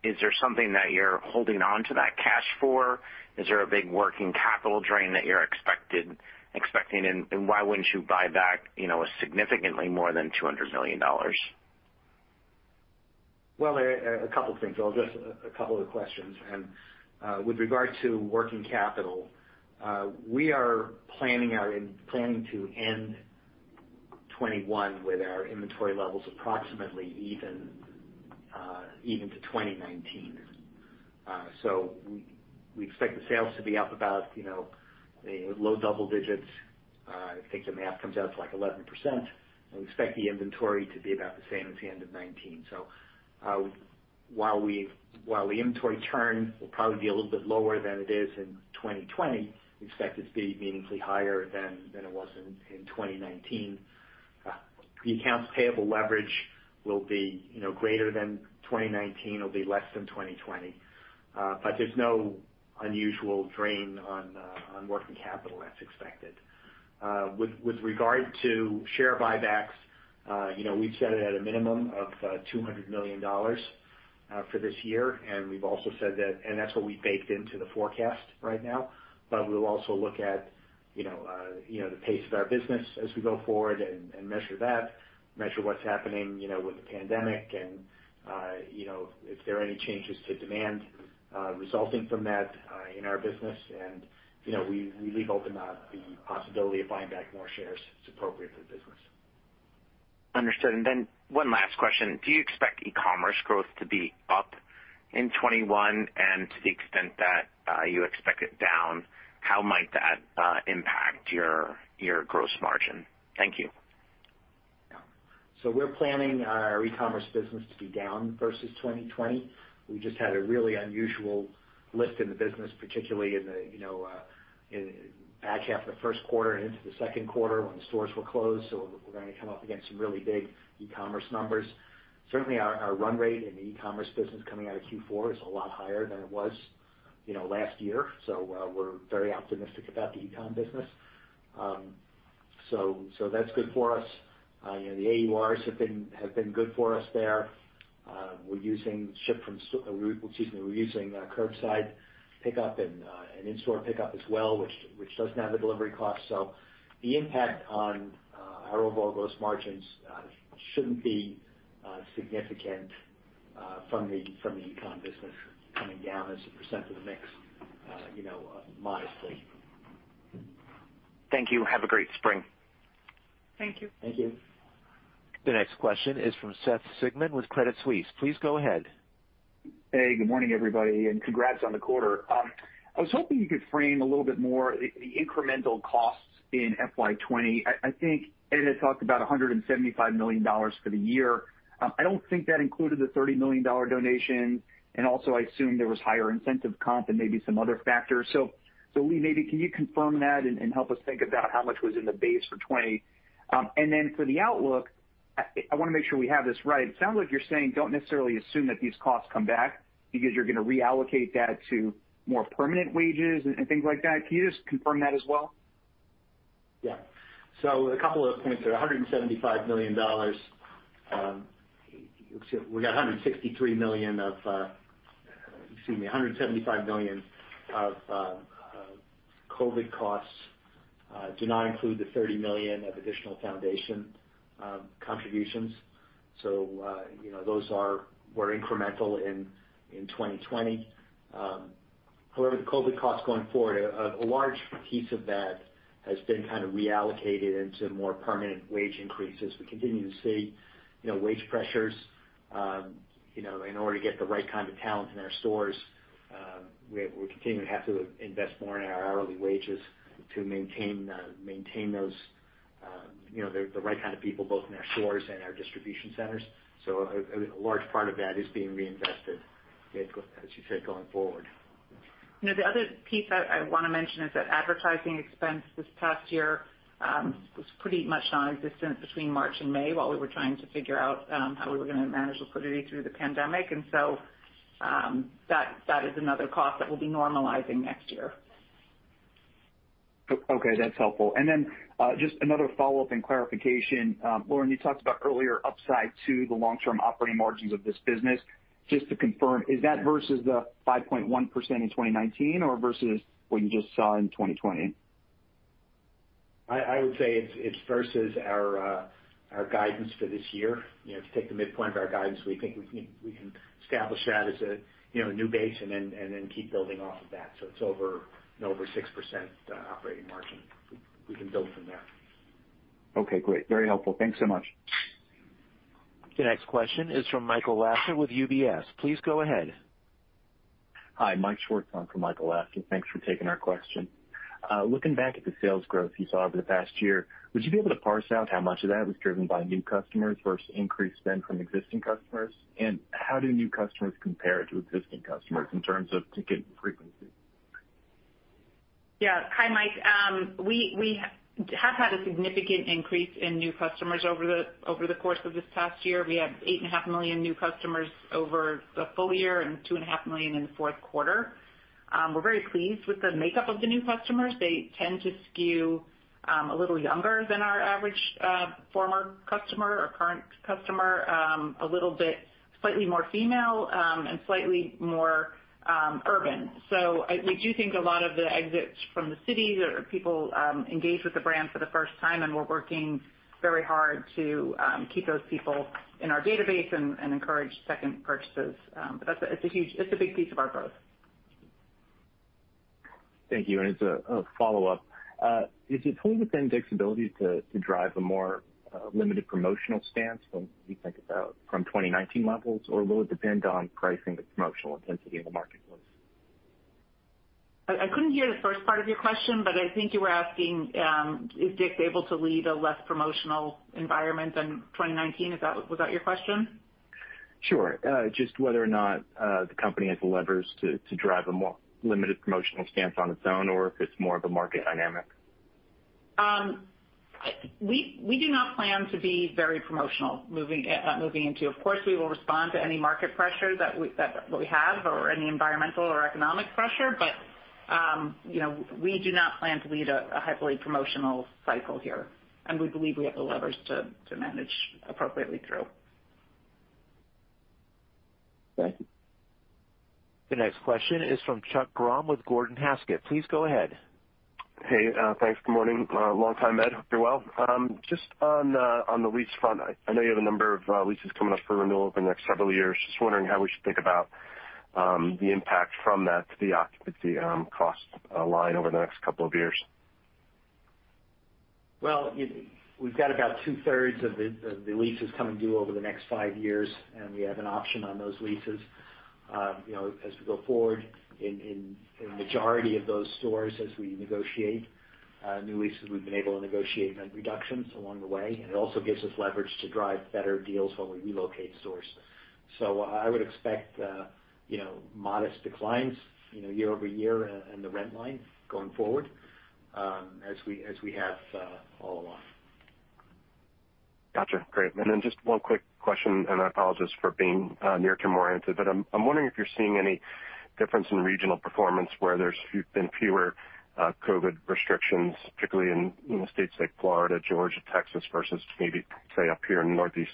Is there something that you're holding onto that cash for? Is there a big working capital drain that you're expecting, and why wouldn't you buy back significantly more than $200 million? Well, a couple things. I'll address a couple of the questions. With regard to working capital, we are planning to end 2021 with our inventory levels approximately even to 2019. We expect the sales to be up about low double digits. If you take the math, comes out to, like, 11%, we expect the inventory to be about the same as the end of 2019. While the inventory turn will probably be a little bit lower than it is in 2020, we expect it to be meaningfully higher than it was in 2019. The accounts payable leverage will be greater than 2019, it'll be less than 2020. There's no unusual drain on working capital that's expected. With regard to share buybacks, we've set it at a minimum of $200 million for this year, that's what we've baked into the forecast right now. We'll also look at the pace of our business as we go forward and measure that, measure what's happening with the pandemic and if there are any changes to demand resulting from that in our business. We leave open the possibility of buying back more shares as appropriate for the business. Understood. Then one last question. Do you expect e-commerce growth to be up in 2021? To the extent that you expect it down, how might that impact your gross margin? Thank you. We're planning our e-commerce business to be down versus 2020. We just had a really unusual lift in the business, particularly in the back half of the first quarter and into the second quarter when the stores were closed. We're going to come up against some really big e-commerce numbers. Certainly, our run rate in the e-commerce business coming out of Q4 is a lot higher than it was last year. We're very optimistic about the e-com business. That's good for us. The AURs have been good for us there. We're using curbside pickup and in-store pickup as well, which doesn't have the delivery cost. The impact on our overall gross margins shouldn't be significant from the e-com business coming down as a percent of the mix modestly. Thank you. Have a great spring. Thank you. Thank you. The next question is from Seth Sigman with Credit Suisse. Please go ahead. Hey, good morning, everybody, and congrats on the quarter. I was hoping you could frame a little bit more the incremental costs in FY 2020. I think Ed had talked about $175 million for the year. I don't think that included the $30 million donation. I assume there was higher incentive comp and maybe some other factors. Lee, maybe can you confirm that and help us think about how much was in the base for 2020? For the outlook, I want to make sure we have this right. It sounds like you're saying don't necessarily assume that these costs come back because you're going to reallocate that to more permanent wages and things like that. Can you just confirm that as well? Yeah. A couple of points there. $175 million of COVID costs do not include the $30 million of additional Foundation contributions. Those were incremental in 2020. However, the COVID costs going forward, a large piece of that has been kind of reallocated into more permanent wage increases. We continue to see wage pressures in order to get the right kind of talent in our stores. We continue to have to invest more in our hourly wages to maintain the right kind of people, both in our stores and our distribution centers. A large part of that is being reinvested, as you said, going forward. The other piece I want to mention is that advertising expense this past year was pretty much non-existent between March and May while we were trying to figure out how we were going to manage liquidity through the pandemic. That is another cost that will be normalizing next year. Okay, that's helpful. Just another follow-up and clarification. Lauren, you talked about earlier upside to the long-term operating margins of this business. Just to confirm, is that versus the 5.1% in 2019 or versus what you just saw in 2020? I would say it's versus our guidance for this year. If you take the midpoint of our guidance, we think we can establish that as a new base and then keep building off of that. It's over 6% operating margin. We can build from there. Okay, great. Very helpful. Thanks so much. The next question is from Michael Lasser with UBS. Please go ahead. Hi, Michael Schwartz on for Michael Lasser. Thanks for taking our question. Looking back at the sales growth you saw over the past year, would you be able to parse out how much of that was driven by new customers versus increased spend from existing customers? How do new customers compare to existing customers in terms of ticket frequency? Yeah. Hi, Mike. We have had a significant increase in new customers over the course of this past year. We have 8.5 million new customers over the full year and 2.5 million in the fourth quarter. We're very pleased with the makeup of the new customers. They tend to skew a little younger than our average former customer or current customer. Slightly more female, and slightly more urban. We do think a lot of the exits from the cities or people engaged with the brand for the first time, and we're working very hard to keep those people in our database and encourage second purchases. It's a big piece of our growth. Thank you. As a follow-up, is it within DICK'S ability to drive a more limited promotional stance from what you think about from 2019 levels, or will it depend on pricing the promotional intensity in the marketplace? I couldn't hear the first part of your question, but I think you were asking if DICK'S able to lead a less promotional environment than 2019. Was that your question? Sure. Just whether or not, the company has the levers to drive a more limited promotional stance on its own or if it's more of a market dynamic. We do not plan to be very promotional moving into, of course, we will respond to any market pressure that we have or any environmental or economic pressure. We do not plan to lead a highly promotional cycle here, and we believe we have the levers to manage appropriately through. Okay. The next question is from Chuck Grom with Gordon Haskett. Please go ahead. Hey. Thanks. Good morning. Long time, Ed, Hope you're well. Just on the lease front, I know you have a number of leases coming up for renewal over the next several years. Just wondering how we should think about the impact from that to the occupancy cost line over the next couple of years. Well, we've got about 2/3 of the leases coming due over the next five years, and we have an option on those leases. As we go forward, in a majority of those stores as we negotiate new leases, we've been able to negotiate rent reductions along the way, and it also gives us leverage to drive better deals when we relocate stores. I would expect modest declines year-over-year in the rent line going forward, as we have all along. Got you. Great. Just one quick question, and I apologize for being near term oriented, but I'm wondering if you're seeing any difference in regional performance where there's been fewer COVID restrictions, particularly in states like Florida, Georgia, Texas, versus maybe say up here in the Northeast?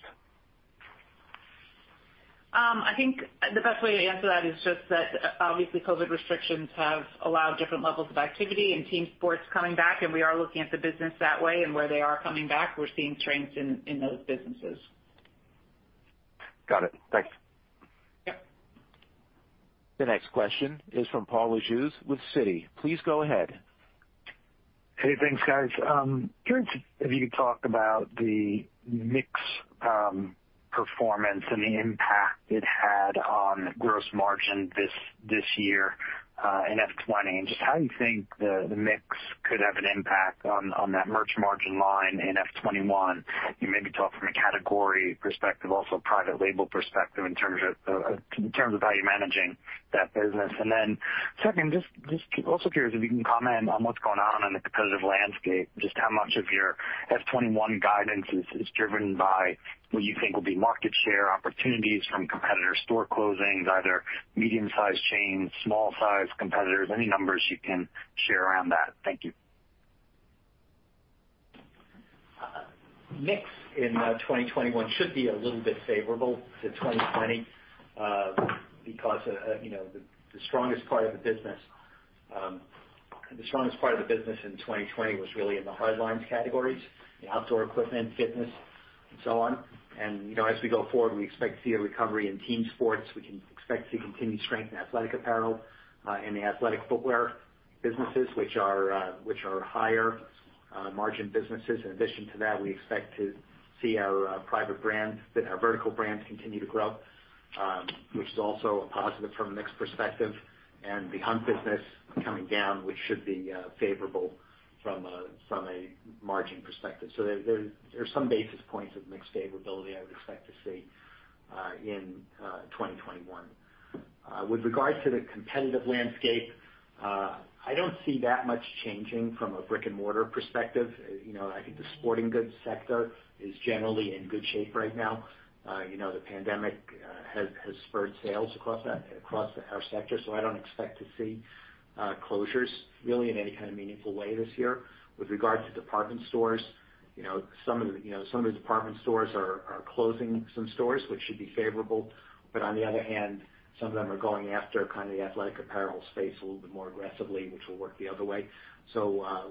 I think the best way to answer that is just that obviously COVID restrictions have allowed different levels of activity and team sports coming back, and we are looking at the business that way and where they are coming back. We're seeing trends in those businesses. Got it. Thanks. Yep. The next question is from Paul Lejuez with Citi. Please go ahead. Hey, thanks, guys. Curious if you could talk about the mix performance and the impact it had on gross margin this year in FY 2020, and just how do you think the mix could have an impact on that merch margin line in FY 2021? You maybe talk from a category perspective, also private label perspective in terms of how you're managing that business. Second, just also curious if you can comment on what's going on in the competitive landscape, just how much of your FY 2021 guidance is driven by what you think will be market share opportunities from competitor store closings, either medium sized chains, small size competitors, any numbers you can share around that. Thank you. Mix in 2021 should be a little bit favorable to 2020, because the strongest part of the business in 2020 was really in the hardlines categories, the outdoor equipment, fitness and so on. As we go forward, we expect to see a recovery in team sports. We can expect to see continued strength in athletic apparel, in the athletic footwear businesses, which are higher margin businesses. In addition to that, we expect to see our private brands and our vertical brands continue to grow, which is also a positive from a mix perspective, and the hunt business coming down, which should be favorable from a margin perspective. There's some basis points of mix favorability I would expect to see in 2021. With regards to the competitive landscape, I don't see that much changing from a brick-and-mortar perspective. I think the sporting goods sector is generally in good shape right now. The pandemic has spurred sales across our sector. I don't expect to see closures really in any kind of meaningful way this year. With regard to department stores, some of the department stores are closing some stores, which should be favorable. On the other hand, some of them are going after the athletic apparel space a little bit more aggressively, which will work the other way.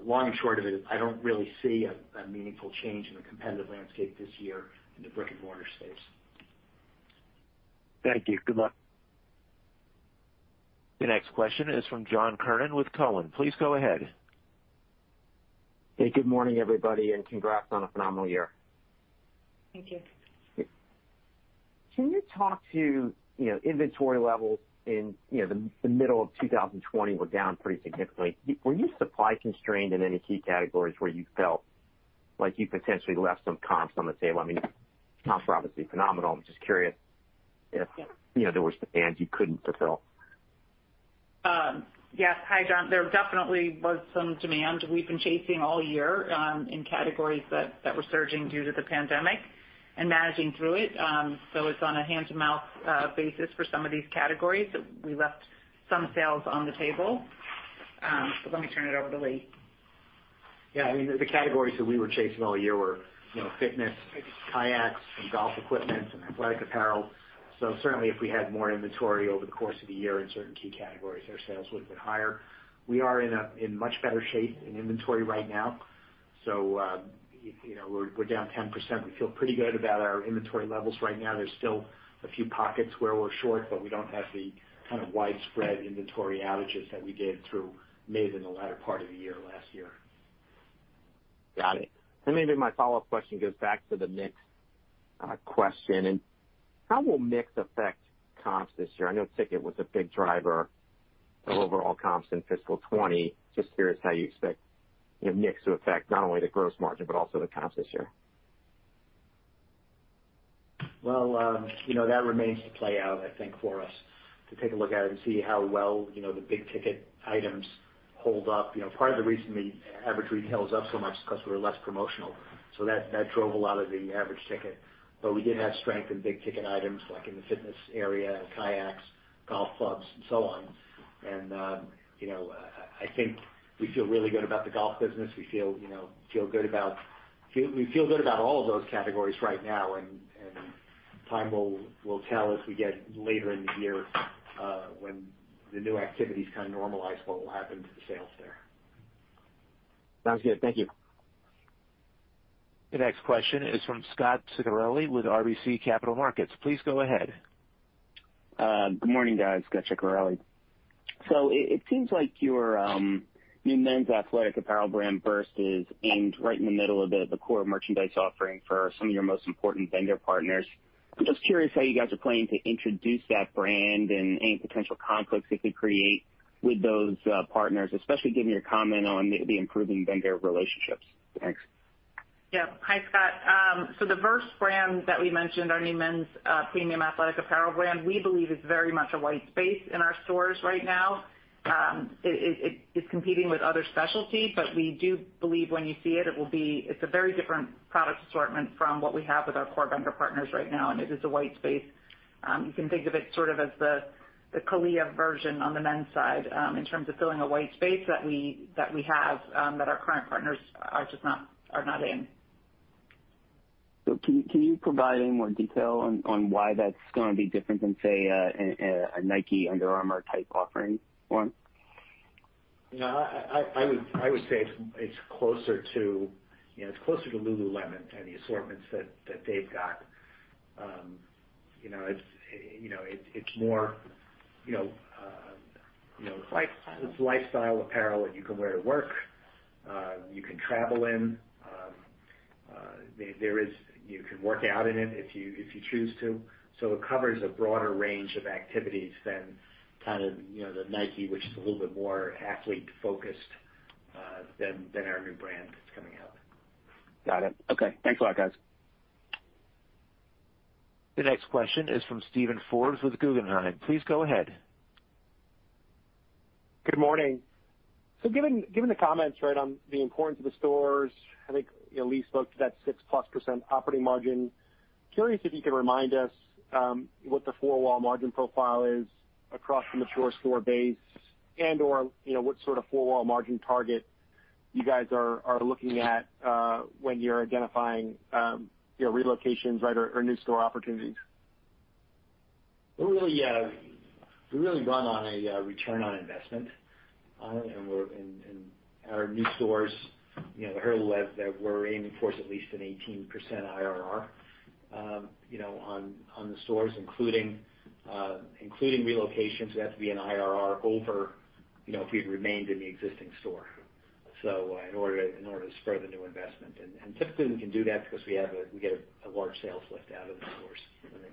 Long and short of it, I don't really see a meaningful change in the competitive landscape this year in the brick and mortar space. Thank you. Good luck. The next question is from John Kernan with TD Cowen. Please go ahead. Hey, good morning, everybody, and congrats on a phenomenal year. Thank you. Can you talk to inventory levels in the middle of 2020 were down pretty significantly? Were you supply constrained in any key categories where you felt like you potentially left some comps on the table? I mean, comps are obviously phenomenal. I'm just curious if there was demand you couldn't fulfill. Yes. Hi, John. There definitely was some demand we've been chasing all year in categories that were surging due to the pandemic and managing through it. It's on a hand to mouth basis for some of these categories. We left some sales on the table. Let me turn it over to Lee. The categories that we were chasing all year were fitness, kayaks and golf equipment and athletic apparel. Certainly if we had more inventory over the course of the year in certain key categories, our sales would have been higher. We are in much better shape in inventory right now. We're down 10%. We feel pretty good about our inventory levels right now. There's still a few pockets where we're short, but we don't have the kind of widespread inventory outages that we did through May, than the latter part of the year last year. Got it. Maybe my follow-up question goes back to the mix question, and how will mix affect comps this year? I know ticket was a big driver of overall comps in fiscal 2020. Just curious how you expect mix to affect not only the gross margin, but also the comps this year. Well, that remains to play out, I think, for us to take a look at it and see how well the big ticket items hold up. Part of the reason the average retail is up so much is because we were less promotional. That drove a lot of the average ticket. We did have strength in big ticket items like in the fitness area, kayaks, golf clubs and so on. I think we feel really good about the golf business. We feel good about all of those categories right now, and time will tell as we get later in the year, when the new activities kind of normalize what will happen to the sales there. Sounds good. Thank you. The next question is from Scot Ciccarelli with RBC Capital Markets. Please go ahead. Good morning, guys. Scot Ciccarelli. It seems like your new men's athletic apparel brand, VRST, is aimed right in the middle of the core merchandise offering for some of your most important vendor partners. I'm just curious how you guys are planning to introduce that brand and any potential conflicts it could create with those partners, especially given your comment on the improving vendor relationships. Thanks. Hi, Scot. The VRST brand that we mentioned, our new men's premium athletic apparel brand, we believe is very much a white space in our stores right now. It is competing with other specialty, but we do believe when you see it's a very different product assortment from what we have with our core vendor partners right now, and it is a white space. You can think of it sort of as the CALIA version on the men's side, in terms of filling a white space that we have, that our current partners are not in. Can you provide any more detail on why that's going to be different than, say, a Nike, Under Armour type offering on? Yeah, I would say it's closer to lululemon and the assortments that they've got. Lifestyle. It's lifestyle apparel that you can wear to work, you can travel in. You can work out in it if you choose to. It covers a broader range of activities than the Nike, which is a little bit more athlete focused, than our new brand that's coming out. Got it. Okay. Thanks a lot, guys. The next question is from Steven Forbes with Guggenheim. Please go ahead. Good morning. Given the comments on the importance of the stores, I think Lee spoke to that 6%+ operating margin. Curious if you can remind us, what the four wall margin profile is across the mature store base and/or, what sort of four wall margin target you guys are looking at, when you're identifying relocations or new store opportunities. We really run on a return on investment. Our new stores, I heard that we're aiming towards at least an 18% IRR on the stores including relocations. It has to be an IRR over if we had remained in the existing store. In order to spur the new investment. Typically, we can do that because we get a large sales lift out of the stores when they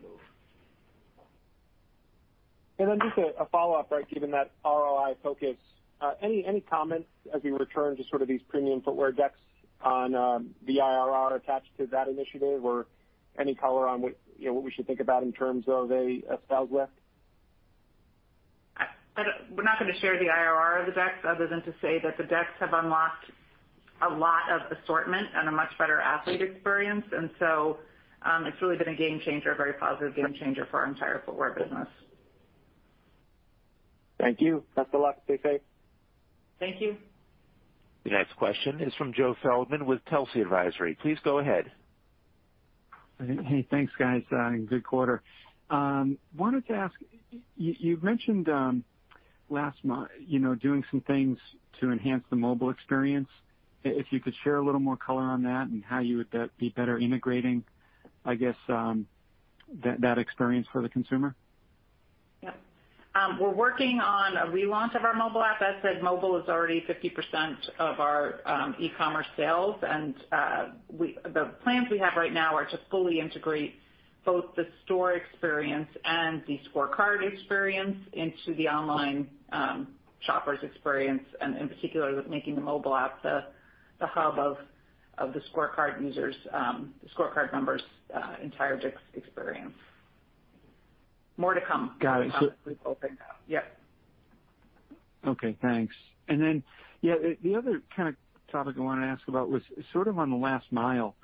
move. Just a follow-up. Given that ROI focus, any comments as we return to sort of these premium footwear decks on the IRR attached to that initiative or any color on what we should think about in terms of a sales lift? We're not going to share the IRR of the DICK'S other than to say that the DICK'S have unlocked a lot of assortment and a much better athlete experience. It's really been a very positive game changer for our entire footwear business. Thank you. That's the last. Stay safe. Thank you. The next question is from Joe Feldman with Telsey Advisory. Please go ahead. Hey, thanks, guys. Good quarter. Wanted to ask, you mentioned, last month, doing some things to enhance the mobile experience. If you could share a little more color on that and how you would be better integrating, I guess, that experience for the consumer. Yep. We're working on a relaunch of our mobile app. As said, mobile is already 50% of our e-commerce sales, and the plans we have right now are to fully integrate both the store experience and the ScoreCard experience into the online shopper's experience, and in particular with making the mobile app the hub of the ScoreCard users, the ScoreCard members' entire DICK'S experience. More to come. Got it. Once we've opened up. Yep. Okay, thanks. Yeah, the other kind of topic I wanted to ask about was sort of on the last mile.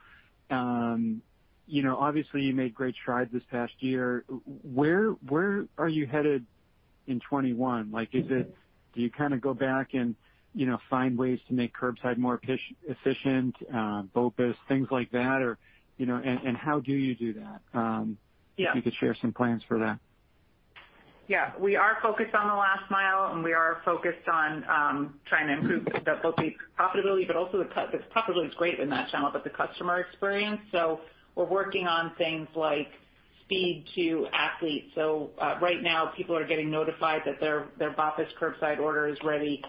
Obviously you made great strides this past year. Where are you headed in 2021? Do you go back and find ways to make curbside more efficient, BOPIS, things like that? How do you do that? Yeah. If you could share some plans for that. We are focused on the last mile, and we are focused on trying to improve the BOPIS profitability, but also the profitability is great in that channel, but the customer experience. We're working on things like Speed to Athlete. Right now people are getting notified that their BOPIS curbside order is ready.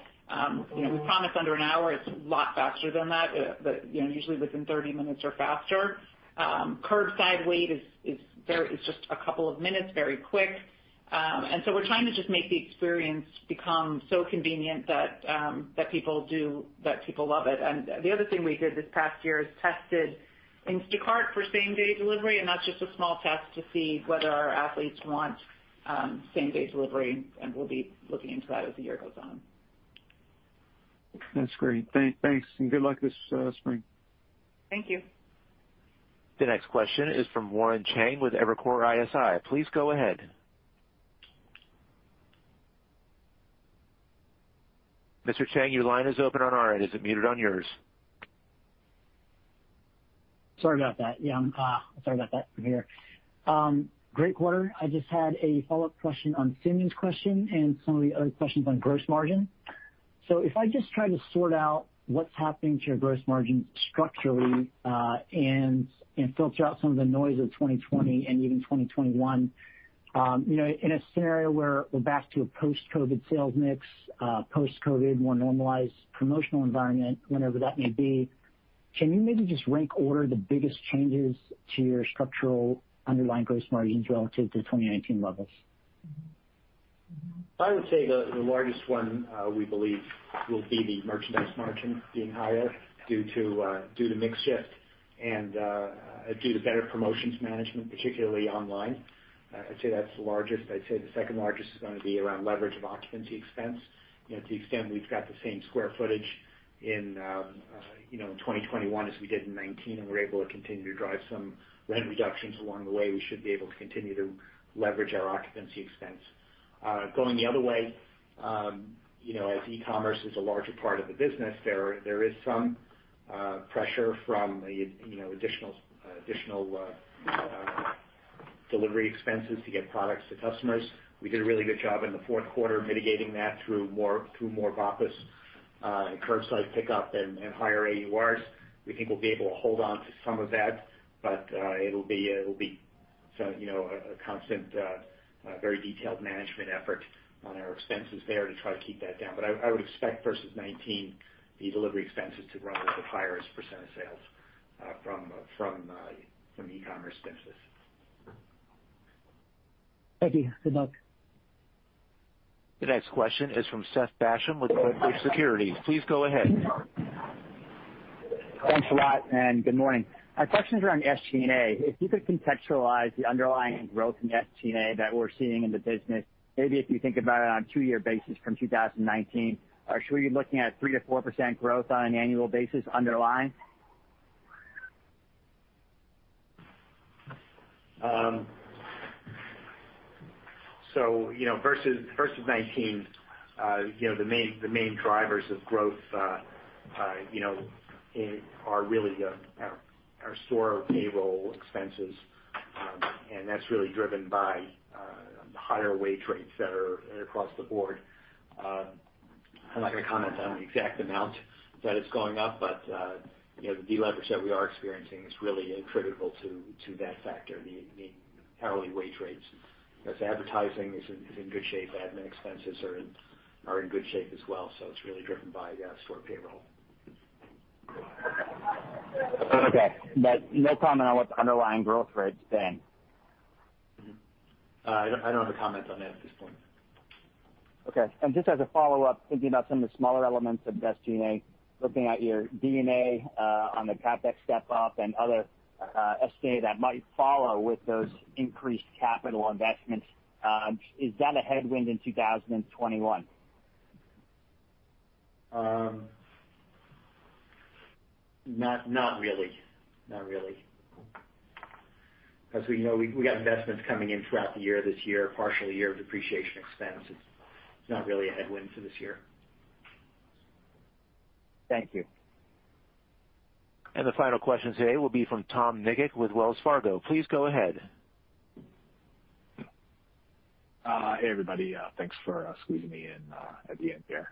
We promise under an hour, it's a lot faster than that, but usually within 30 minutes or faster. Curbside wait is just a couple of minutes, very quick. We're trying to just make the experience become so convenient that people love it. The other thing we did this past year is tested Instacart for same-day delivery, and that's just a small test to see whether our athletes want same-day delivery, and we'll be looking into that as the year goes on. That's great. Thanks, and good luck this spring. Thank you. The next question is from Warren Cheng with Evercore ISI. Please go ahead. Mr. Cheng, your line is open on our end. Is it muted on yours? Sorry about that. Yeah. Sorry about that from here. Great quarter. I just had a follow-up question on Simeon's question and some of the other questions on gross margin. If I just try to sort out what's happening to your gross margin structurally, and filter out some of the noise of 2020 and even 2021, in a scenario where we're back to a post-COVID sales mix, post-COVID, more normalized promotional environment, whenever that may be, can you maybe just rank order the biggest changes to your structural underlying gross margins relative to 2019 levels? I would say the largest one, we believe will be the merchandise margin being higher due to mix shift and due to better promotions management, particularly online. I'd say that's the largest. I'd say the second largest is going to be around leverage of occupancy expense. To the extent we've got the same square footage in 2021 as we did in 2019, and we're able to continue to drive some rent reductions along the way, we should be able to continue to leverage our occupancy expense. Going the other way, as e-commerce is a larger part of the business, there is some pressure from additional delivery expenses to get products to customers. We did a really good job in the fourth quarter mitigating that through more BOPIS and curbside pickup and higher AURs. We think we'll be able to hold onto some of that. It'll be a constant, very detailed management effort on our expenses there to try to keep that down. I would expect versus 2019, the delivery expenses to run as a higher percent of sales from e-commerce expenses. Thank you. Good luck. The next question is from Seth Basham with Wedbush Securities. Please go ahead. Thanks a lot, good morning. My question's around SG&A. If you could contextualize the underlying growth in SG&A that we're seeing in the business, maybe if you think about it on a two-year basis from 2019, should we be looking at 3%-4% growth on an annual basis underlying? Versus 2019, the main drivers of growth are really our store payroll expenses. That's really driven by higher wage rates that are across the board. I'm not going to comment on the exact amount that it's going up, but the deleverage that we are experiencing is really attributable to that factor, the hourly wage rates, as advertising is in good shape, admin expenses are in good shape as well. It's really driven by store payroll. Okay. No comment on what the underlying growth rate's been. I don't have a comment on that at this point. Okay. Just as a follow-up, thinking about some of the smaller elements of SG&A, looking at your D&A, on the CapEx step-up and other SG&A that might follow with those increased capital investments, is that a headwind in 2021? Not really. We know we got investments coming in throughout the year this year, a partial year of depreciation expense. It's not really a headwind for this year. Thank you. The final question today will be from Tom Nikic with Wells Fargo. Please go ahead. Hey, everybody. Thanks for squeezing me in at the end here.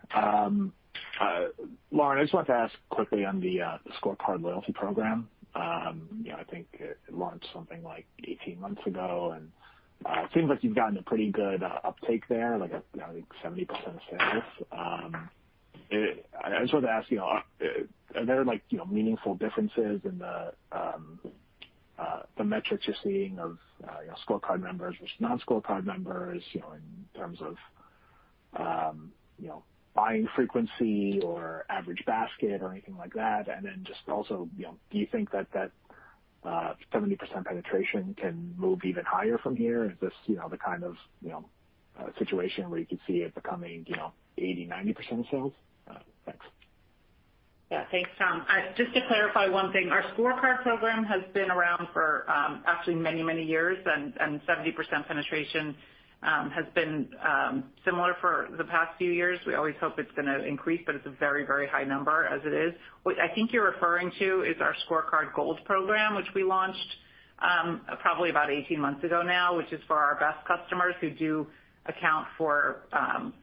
Lauren, I just wanted to ask quickly on the ScoreCard loyalty program. I think it launched something like 18 months ago, and it seems like you've gotten a pretty good uptake there, like I think 70% of sales. I just wanted to ask, are there meaningful differences in the metrics you're seeing of ScoreCard members versus non-ScoreCard members, in terms of buying frequency or average basket or anything like that? Just also, do you think that that 70% penetration can move even higher from here? Is this the kind of situation where you could see it becoming 80%, 90% of sales? Thanks. Yeah. Thanks, Tom. Just to clarify one thing, our ScoreCard program has been around for actually many, many years, and 70% penetration has been similar for the past few years. We always hope it's going to increase, but it's a very, very high number as it is. What I think you're referring to is our ScoreCard Gold program, which we launched probably about 18 months ago now, which is for our best customers who do account for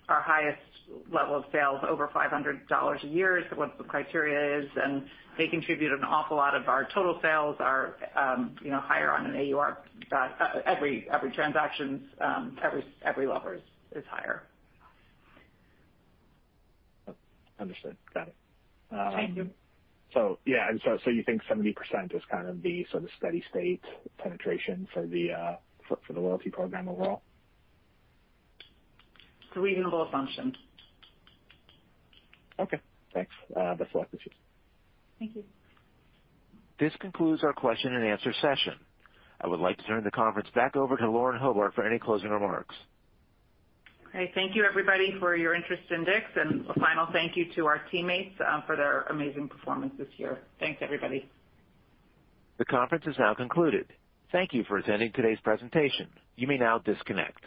our highest level of sales, over $500 a year is what the criteria is, and they contribute an awful lot of our total sales are higher on an AUR. Every transaction, every level is higher. Understood. Got it. Thank you. Yeah. You think 70% is kind of the steady state penetration for the loyalty program overall? It's a reasonable assumption. Okay, thanks. That's all I could shoot. Thank you. This concludes our question and answer session. I would like to turn the conference back over to Lauren Hobart for any closing remarks. Great. Thank you everybody for your interest in DICK'S, and a final thank you to our teammates for their amazing performance this year. Thanks, everybody. The conference is now concluded. Thank you for attending today's presentation. You may now disconnect.